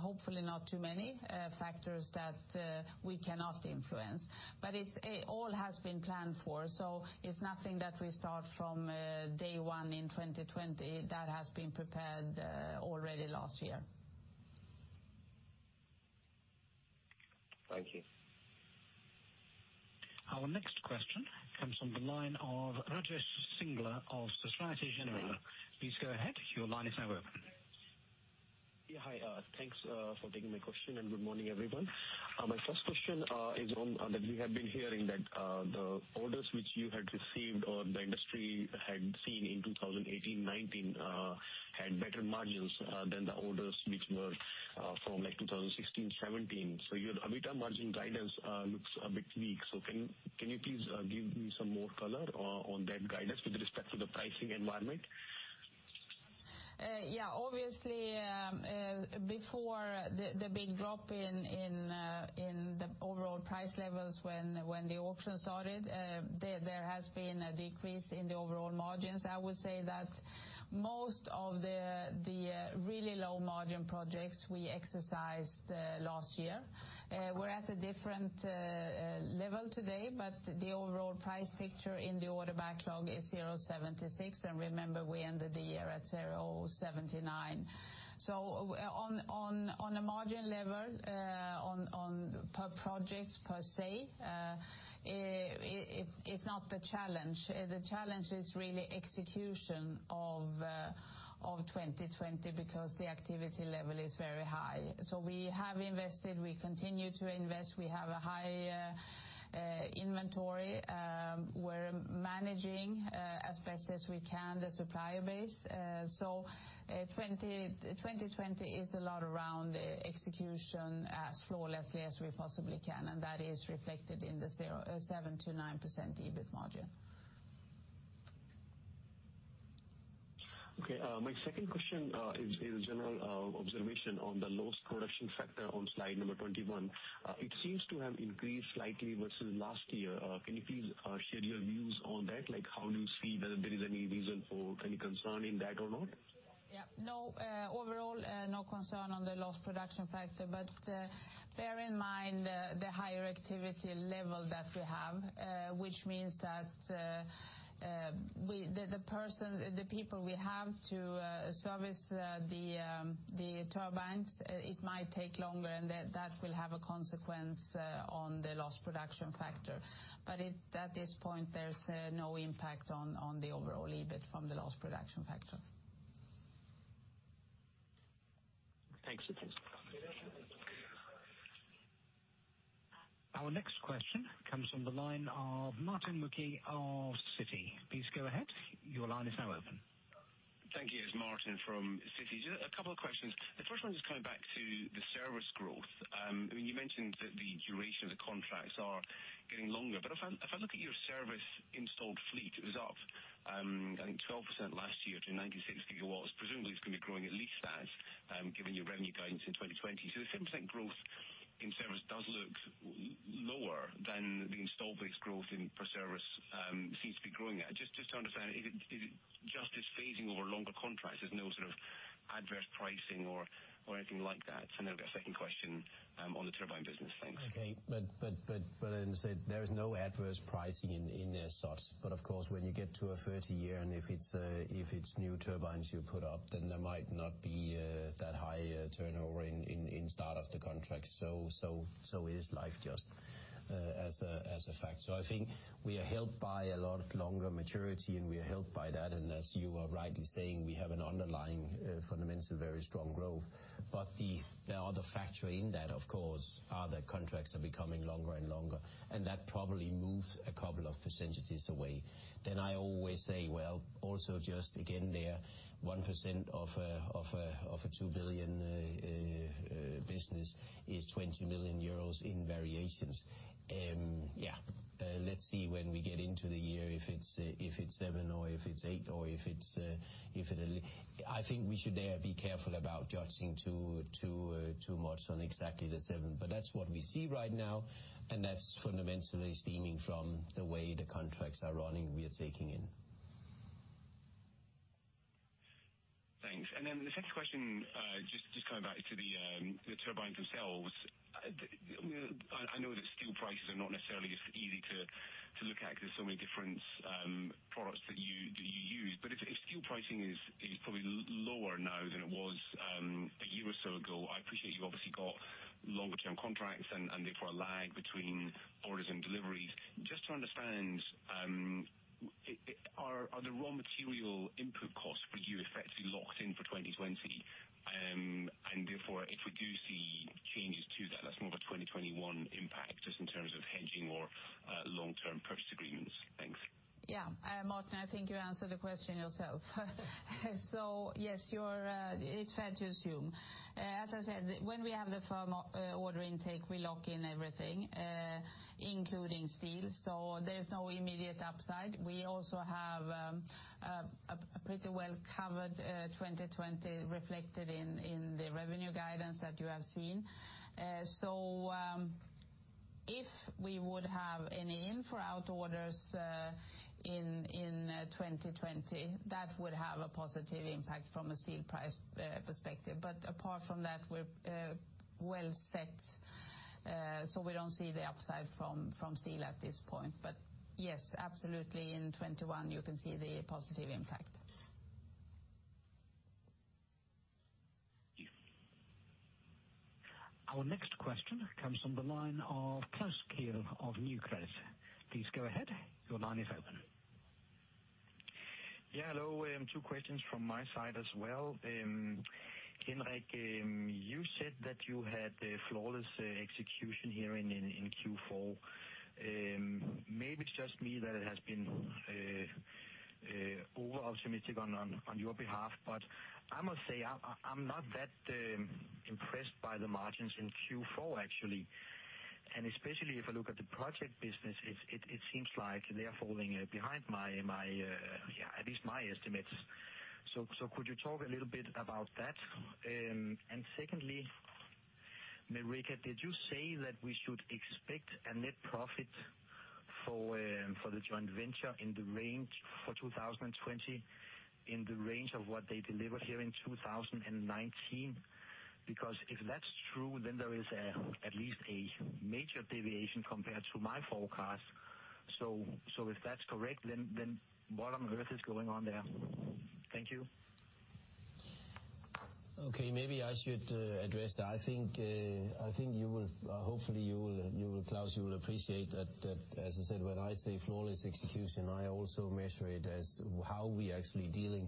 hopefully not too many factors that we cannot influence. It all has been planned for, it's nothing that we start from day one in 2020. That has been prepared already last year. Thank you. Our next question comes from the line of Rajesh Singla of Societe Generale. Please go ahead. Your line is now open. Hi, thanks for taking my question, good morning, everyone. My first question is on that we have been hearing that the orders which you had received or the industry had seen in 2018-2019, had better margins than the orders which were from 2016-2017. Your EBITDA margin guidance looks a bit weak. Can you please give me some more color on that guidance with respect to the pricing environment? Yeah. Obviously, before the big drop in the overall price levels when the auction started, there has been a decrease in the overall margins. I would say that most of the really low-margin projects we exercised last year. We're at a different level today. The overall price picture in the order backlog is 0.76. Remember, we ended the year at 0.79. On a margin level, on per projects per se, it's not the challenge. The challenge is really execution of 2020 because the activity level is very high. We have invested, we continue to invest. We have a high inventory. We're managing as best as we can the supplier base. 2020 is a lot around execution as flawlessly as we possibly can. That is reflected in the 7%-9% EBIT margin. Okay. My second question is a general observation on the lost production factor on slide number 21. It seems to have increased slightly versus last year. Can you please share your views on that? How do you see that there is any reason for any concern in that or not? Yeah. Overall, no concern on the lost production factor, but bear in mind the higher activity level that we have. Which means that the people we have to service the turbines, it might take longer, and that will have a consequence on the lost production factor. At this point, there's no impact on the overall EBIT from the lost production factor. Thanks. Our next question comes from the line of Martin Wilkie of Citi. Please go ahead. Your line is now open. Thank you. It's Martin from Citi. Just a couple of questions. The first one is coming back to the service growth. You mentioned that the duration of the contracts are getting longer, if I look at your service installed fleet, it was up, I think 12% last year to 96 GW. Presumably, it's going to be growing at least that, given your revenue guidance in 2020. The 7% growth in Service does look lower than the installed base growth in for Service seems to be growing at. Just to understand, is it just it's phasing over longer contracts? There's no sort of adverse pricing or anything like that? I've got a second question on the turbine business. Thanks. Okay. As I said, there is no adverse pricing in their sorts. Of course, when you get to a 30-year, and if it's new turbines you put up, then there might not be that high a turnover in start of the contract. Is life just as a fact. I think we are helped by a lot of longer maturity, and we are helped by that. As you are rightly saying, we have an underlying fundamental very strong growth. The other factor in that, of course, are the contracts are becoming longer and longer, and that probably moves a couple of percentages away. I always say, well, also just again, there 1% of a 2 billion business is 20 million euros in variations. Yeah- let's see when we get into the year, if it's seven or if it's eight or if it, I think we should be careful about judging too much on exactly the seven. That's what we see right now, and that's fundamentally stemming from the way the contracts are running, we are taking in. Thanks. The second question, just coming back to the turbines themselves. I know that steel prices are not necessarily as easy to look at because there's so many different products that you use. If steel pricing is probably lower now than it was a year or so ago, I appreciate you've obviously got longer term contracts and therefore a lag between orders and deliveries. Just to understand, are the raw material input costs for you effectively locked in for 2020? If we do see changes to that's more of a 2021 impact just in terms of hedging or long-term purchase agreements? Thanks. Martin, I think you answered the question yourself. Yes, it's fair to assume- as I said, when we have the firm order intake, we lock in everything, including steel. There's no immediate upside. We also have a pretty well-covered 2020 reflected in the revenue guidance that you have seen. If we would have any infra out orders in 2020, that would have a positive impact from a steel price perspective. Apart from that, we're well set, we don't see the upside from steel at this point. Yes, absolutely, in 2021, you can see the positive impact. Thank you. Our next question comes from the line of Klaus Kehl of Nykredit. Please go ahead. Your line is open. Yeah, hello. Two questions from my side as well. Henrik, you said that you had a flawless execution here in Q4. Maybe it's just me that has been overoptimistic on your behalf, but I must say, I'm not that impressed by the margins in Q4, actually. Especially if I look at the project business, it seems like they are falling behind at- at least my estimates. Could you talk a little bit about that? Secondly, Marika, did you say that we should expect a net profit for the joint venture for 2020 in the range of what they delivered here in 2019? If that's true, then there is at least a major deviation compared to my forecast. If that's correct, then what on earth is going on there? Thank you. Okay, maybe I should address that. Hopefully, Klaus, you will appreciate that, as I said, when I say flawless execution, I also measure it as how we are actually dealing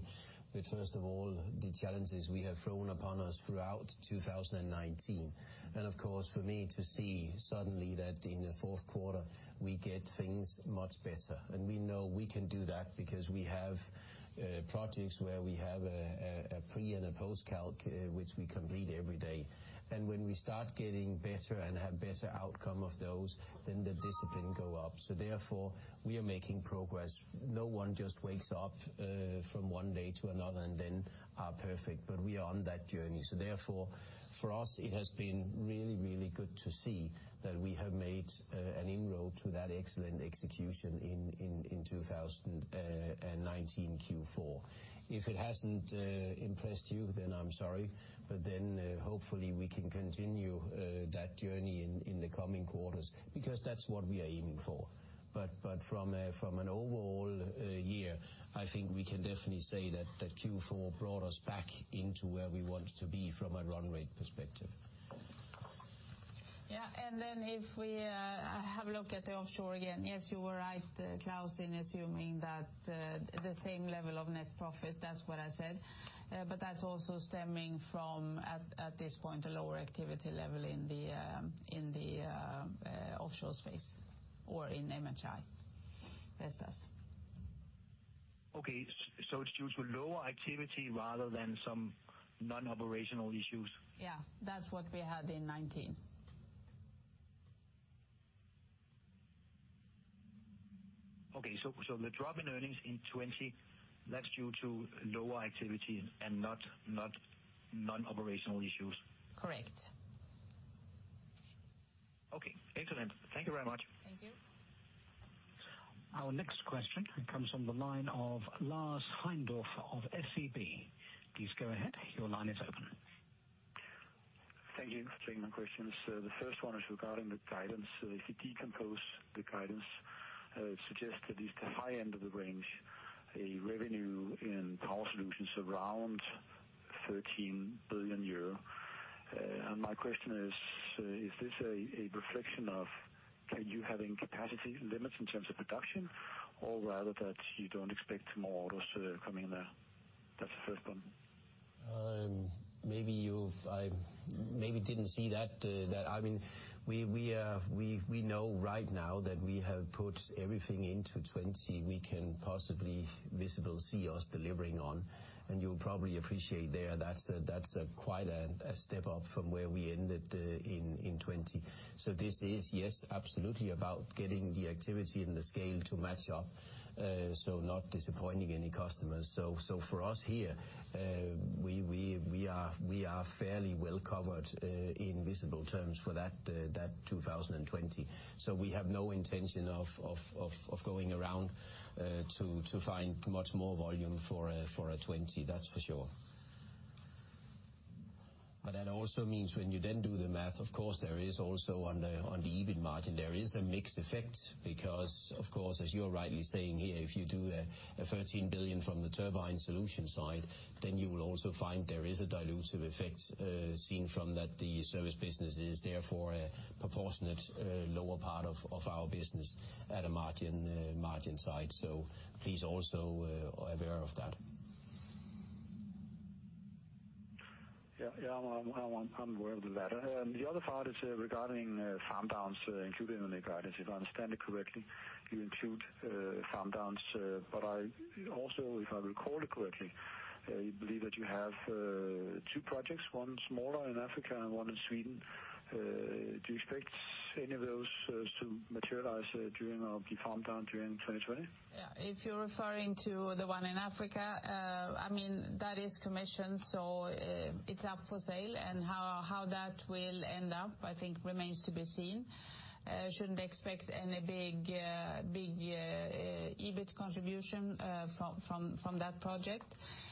with, first of all, the challenges we have thrown upon us throughout 2019. Of course, for me to see suddenly that in the fourth quarter we get things much better. We know we can do that because we have projects where we have a pre- and a post-calc, which we complete every day. When we start getting better and have better outcome of those, then the discipline go up. Therefore, we are making progress. No one just wakes up from one day to another and then are perfect, but we are on that journey. Therefore, for us, it has been really good to see that we have made an inroad to that excellent execution in 2019 Q4. If it hasn't impressed you, then I'm sorry. Hopefully we can continue that journey in the coming quarters, because that's what we are aiming for. From an overall year, I think we can definitely say that Q4 brought us back into where we want to be from a run rate perspective. Yeah. If we have a look at the offshore again- yes, you were right, Klaus, in assuming that the same level of net profit, that's what I said. That's also stemming from, at this point, a lower activity level in the offshore space or in MHI Vestas. Okay, it's due to lower activity rather than some non-operational issues? Yeah. That's what we had in 2019. Okay, the drop in earnings in 2020, that's due to lower activity and not non-operational issues. Correct. Okay, excellent. Thank you very much. Thank you. Our next question comes from the line of Lars Heindorff of SEB. Please go ahead. Your line is open. Thank you. Thanks for taking my questions. The first one is regarding the guidance. If you decompose the guidance, it suggests at least the high end of the range, a revenue in Power Solutions around 13 billion euro. My question is this a reflection of you having capacity limits in terms of production? Rather that you don't expect more orders coming there? That's the first one. Maybe you didn't see that- we know right now that we have put everything into 2020 we can possibly visible see us delivering on. You'll probably appreciate there, that's quite a step up from where we ended in 2020. This is, yes, absolutely, about getting the activity and the scale to match up, so not disappointing any customers. For us here, we are fairly well covered in visible terms for that 2020. We have no intention of going around to find much more volume for 2020, that's for sure. That also means when you then do the math, of course, there is also on the EBIT margin, there is a mixed effect. Of course, as you're rightly saying here, if you do a 13 billion from the turbine solution side, then you will also find there is a dilutive effect seen from that the Service business is therefore a proportionate lower part of our business at a margin side. Please also aware of that. Yeah. I'm aware of that. The other part is regarding farm downs, including the guidance. If I understand it correctly, you include farm downs. Also, if I recall it correctly, I believe that you have two projects, one smaller in Africa and one in Sweden. Do you expect any of those to materialize or be farmed down during 2020? Yeah. If you're referring to the one in Africa, that is commissioned, so it is up for sale- hhow that will end up, I think, remains to be seen. Shouldn't expect any big EBIT contribution from that project.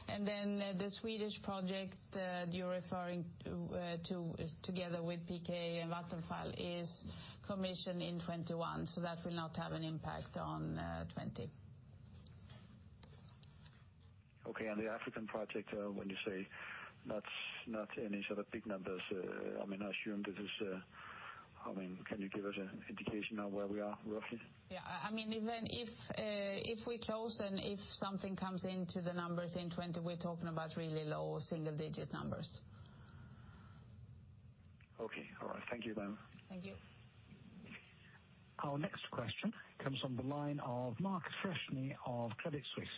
The Swedish project that you're referring to together with PKA Vattenfall is commissioned in 2021, so that will not have an impact on 2020. Okay. The African project, when you say not any sort of big numbers, can you give us an indication of where we are roughly? Yeah. If we close and if something comes into the numbers in 2020, we're talking about really low single-digit numbers. Okay. All right. Thank you, then. Thank you. Our next question comes from the line of Mark Freshney of Credit Suisse.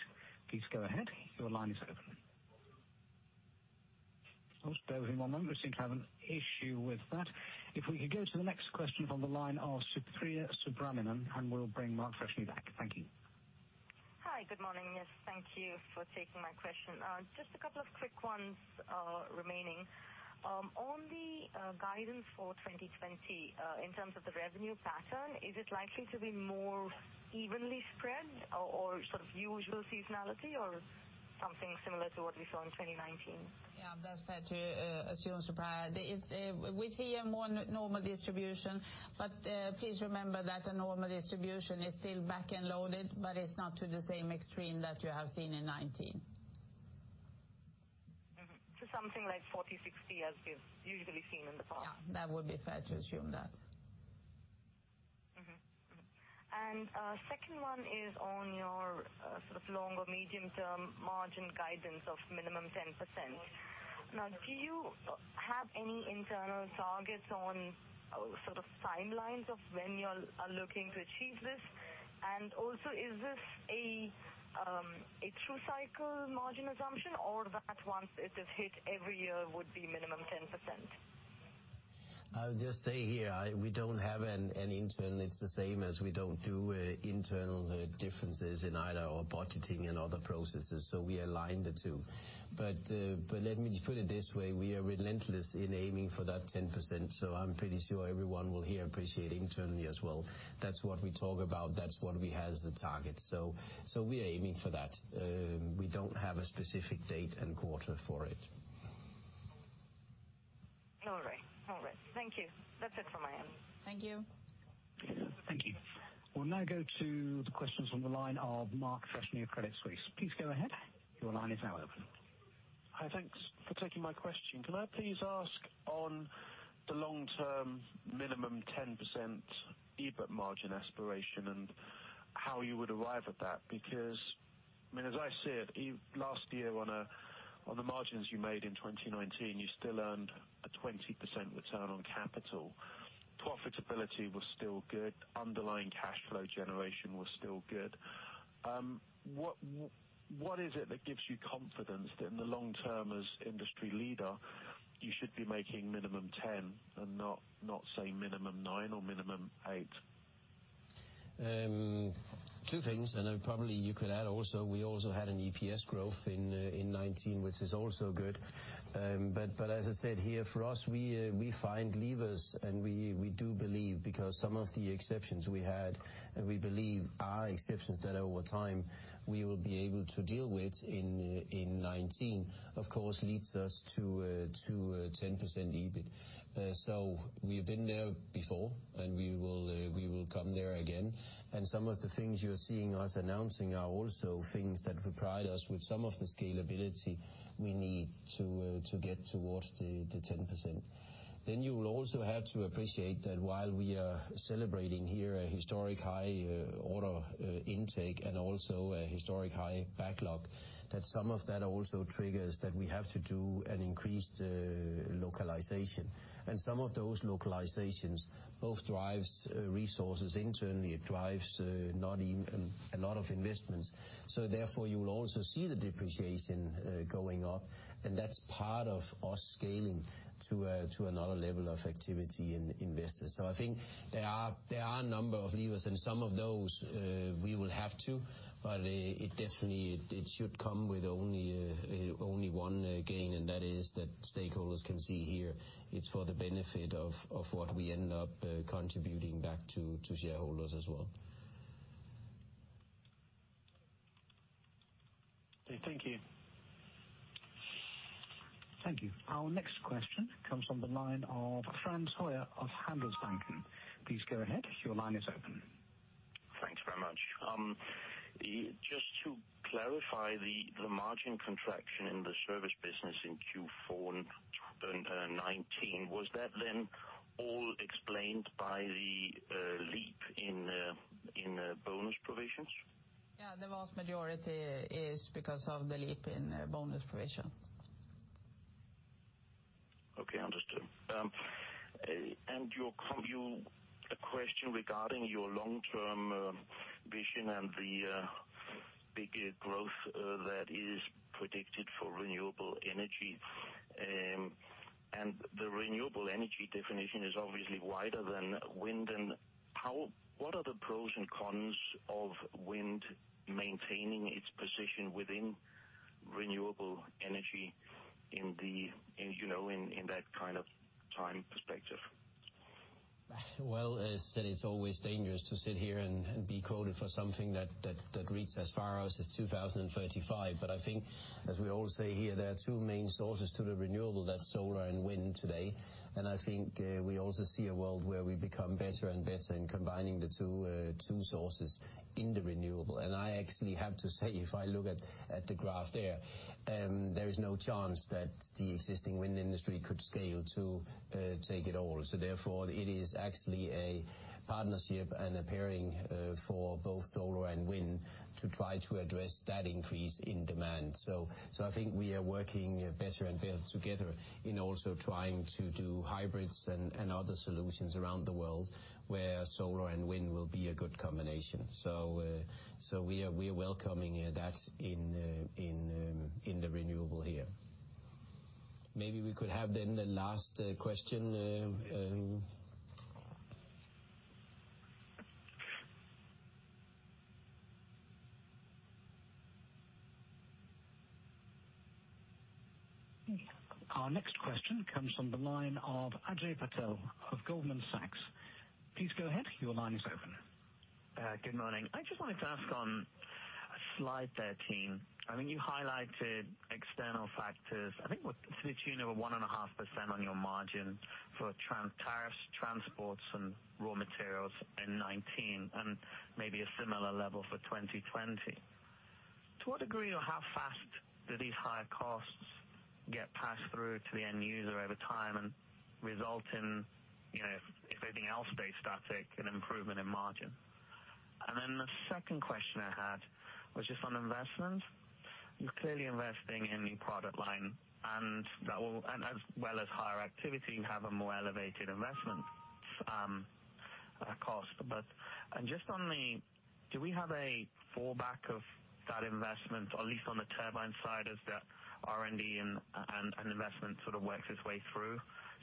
Please go ahead. Your line is open. Just bear with me one moment. We seem to have an issue with that. If we could go to the next question from the line of Supriya Subramanian, and we'll bring Mark Freshney back. Thank you. Hi. Good morning. Yes, thank you for taking my question. Just a couple of quick ones remaining. On the guidance for 2020, in terms of the revenue pattern, is it likely to be more evenly spread or usual seasonality or something similar to what we saw in 2019? Yeah, that's fair to assume, Supriya. We see a more normal distribution, but please remember that a normal distribution is still back-end loaded, but it's not to the same extreme that you have seen in 2019. Something like 40/60 as we've usually seen in the past? Yeah, that would be fair to assume that. Second one is on your longer medium-term margin guidance of minimum 10%. Now, do you have any internal targets on timelines of when you are looking to achieve this? Is this a true cycle margin assumption, or that once it is hit every year would be minimum 10%? I'll just say here, we don't have an internal- it's the same as we don't do internal differences in either our budgeting and other processes, so we align the two. Let me just put it this way, we are relentless in aiming for that 10%, so I'm pretty sure everyone will here appreciate internally as well, that's what we talk about, that's what we have as the target. We are aiming for that. We don't have a specific date and quarter for it. All right. Thank you. That's it from my end. Thank you. Thank you. We will now go to the questions from the line of Mark Freshney of Credit Suisse. Please go ahead. Your line is now open. Hi. Thanks for taking my question. Can I please ask on the long-term minimum 10% EBIT margin aspiration and how you would arrive at that? Because, as I see it, last year on the margins you made in 2019, you still earned a 20% return on capital. Profitability was still good. Underlying cash flow generation was still good. What is it that gives you confidence that in the long term as industry leader, you should be making minimum 10 and not, say, minimum nine or minimum eight? Two things, and then probably you could add also, we also had an EPS growth in 2019, which is also good. As I said here, for us, we find levers, and we do believe, because some of the exceptions we had- and we believe are exceptions that over time we will be able to deal with in 2019, of course, leads us to a 10% EBIT. We've been there before, and we will come there again. Some of the things you're seeing us announcing are also things that provide us with some of the scalability we need to get towards the 10%. You will also have to appreciate that while we are celebrating here a historic high order intake and also a historic high backlog, that some of that also triggers that we have to do an increased localization. Some of those localizations both drives resources internally. It drives a lot of investments. Therefore, you will also see the depreciation going up, and that's part of us scaling to another level of activity in Vestas. I think there are a number of levers, and some of those we will have to, but definitely it should come with only one gain, and that is that stakeholders can see here it's for the benefit of what we end up contributing back to shareholders as well. Okay, thank you. Thank you. Our next question comes from the line of Frans Høyer of Handelsbanken. Please go ahead. Your line is open. Thanks very much. Just to clarify the margin contraction in the Service business in Q4 in 2019, was that then all explained by the leap in bonus provisions? Yeah, the vast majority is because of the leap in bonus provision. Okay, understood. A question regarding your long-term vision and the bigger growth that is predicted for renewable energy. The renewable energy definition is obviously wider than wind. What are the pros and cons of wind maintaining its position within renewable energy in that kind of time perspective? Well, as I said, it is always dangerous to sit here and be quoted for something that reads as far out as 2035. I think as we all say here, there are two main sources to the renewable. That is solar and wind today. I think we also see a world where we become better and better in combining the two sources in the renewable. I actually have to say, if I look at the graph there is no chance that the existing wind industry could scale to take it all. Therefore, it is actually a partnership and a pairing for both solar and wind to try to address that increase in demand. I think we are working better and better together in also trying to do hybrids and other solutions around the world, where solar and wind will be a good combination. We are welcoming that in the renewable here. Maybe we could have the last question. Our next question comes from the line of Ajay Patel of Goldman Sachs. Please go ahead. Your line is open. Good morning. I just wanted to ask on slide 13, I mean, you highlighted external factors, I think to the tune of 1.5% on your margin for tariffs, transports, and raw materials in 2019, and maybe a similar level for 2020. To what degree, or how fast do these higher costs get passed through to the end user over time and result in, if everything else stays static, an improvement in margin? The second question I had was just on investment. You're clearly investing in new product line, and as well as higher activity, you have a more elevated investment cost. Do we have a fallback of that investment, at least on the turbine side, as the R&D and investment sort of works its way through?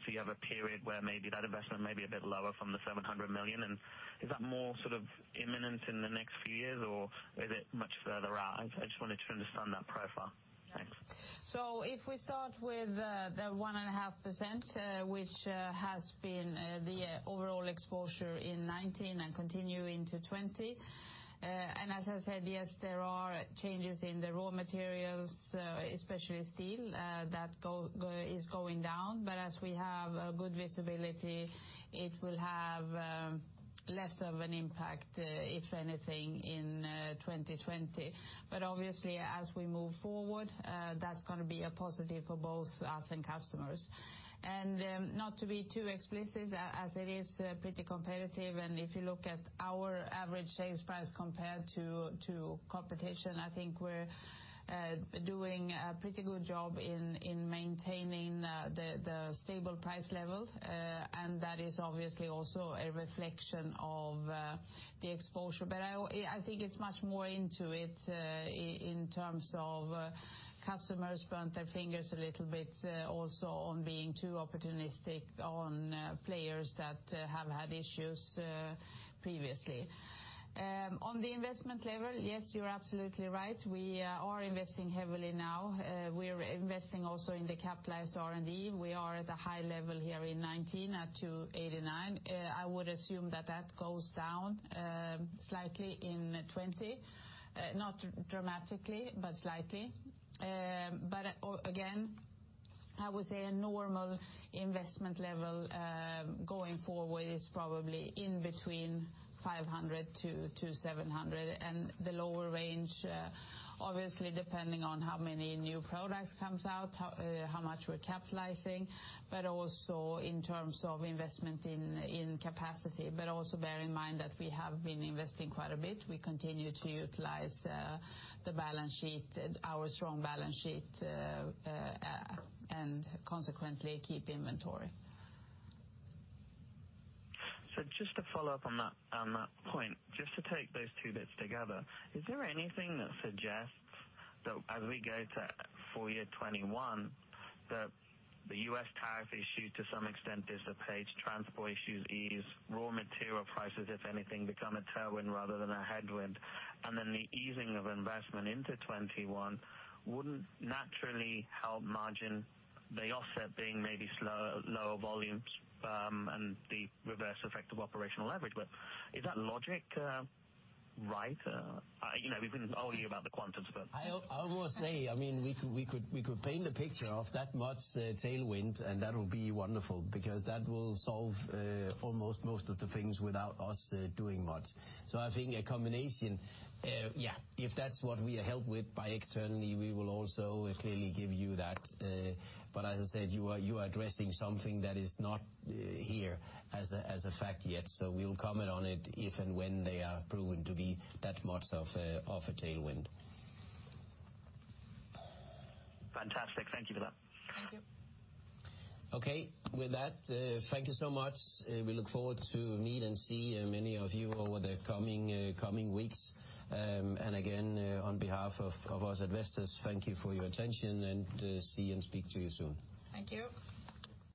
You have a period where maybe that investment may be a bit lower from the 700 million, and is that more sort of imminent in the next few years, or is it much further out? I just wanted to understand that profile. Thanks. If we start with the 1.5%, which has been the overall exposure in 2019 and continuing to 2020, as I said, yes, there are changes in the raw materials, especially steel, that is going down. As we have good visibility, it will have less of an impact, if anything, in 2020. Obviously, as we move forward, that's going to be a positive for both us and customers. Not to be too explicit, as it is pretty competitive, and if you look at our average sales price compared to competition, I think we're doing a pretty good job in maintaining the stable price level. That is obviously also a reflection of the exposure, but I think it's much more into it in terms of customers burnt their fingers a little bit also on being too opportunistic on players that have had issues previously. On the investment level, yes, you're absolutely right. We are investing heavily now. We're investing also in the capitalized R&D. We are at a high level here in 2019, at 289 million. I would assume that that goes down slightly in 2020. Not dramatically, slightly. But again, I would say a normal investment level, going forward, is probably in between 500 million-700 million. The lower range, obviously depending on how many new products comes out, how much we're capitalizing, but also in terms of investment in capacity. Also bear in mind that we have been investing quite a bit. We continue to utilize the balance sheet, our strong balance sheet, and consequently, keep inventory. Just to follow up on that point, just to take those two bits together- is there anything that suggests that as we go to full year 2021, that the U.S. tariff issue, to some extent, is abated, transport issues ease, raw material prices, if anything, become a tailwind rather than a headwind. Then the easing of investment into 2021 wouldn't naturally help margin, the offset being maybe lower volumes, and the reverse effect of operational leverage. Is that logic right? We've been arguing about the quantums but... I will say, I mean, we could paint a picture of that much tailwind, and that will be wonderful, because that will solve almost most of the things without us doing much. I think a combination, yeah- if that's what we are helped with by externally, we will also clearly give you that. As I said, you are addressing something that is not here as a fact yet. We will comment on it if and when they are proven to be that much of a tailwind. Fantastic. Thank you for that. Thank you. Okay. With that, thank you so much. We look forward to meet and see many of you over the coming weeks. Again, on behalf of us at Vestas, thank you for your attention, and see and speak to you soon. Thank you.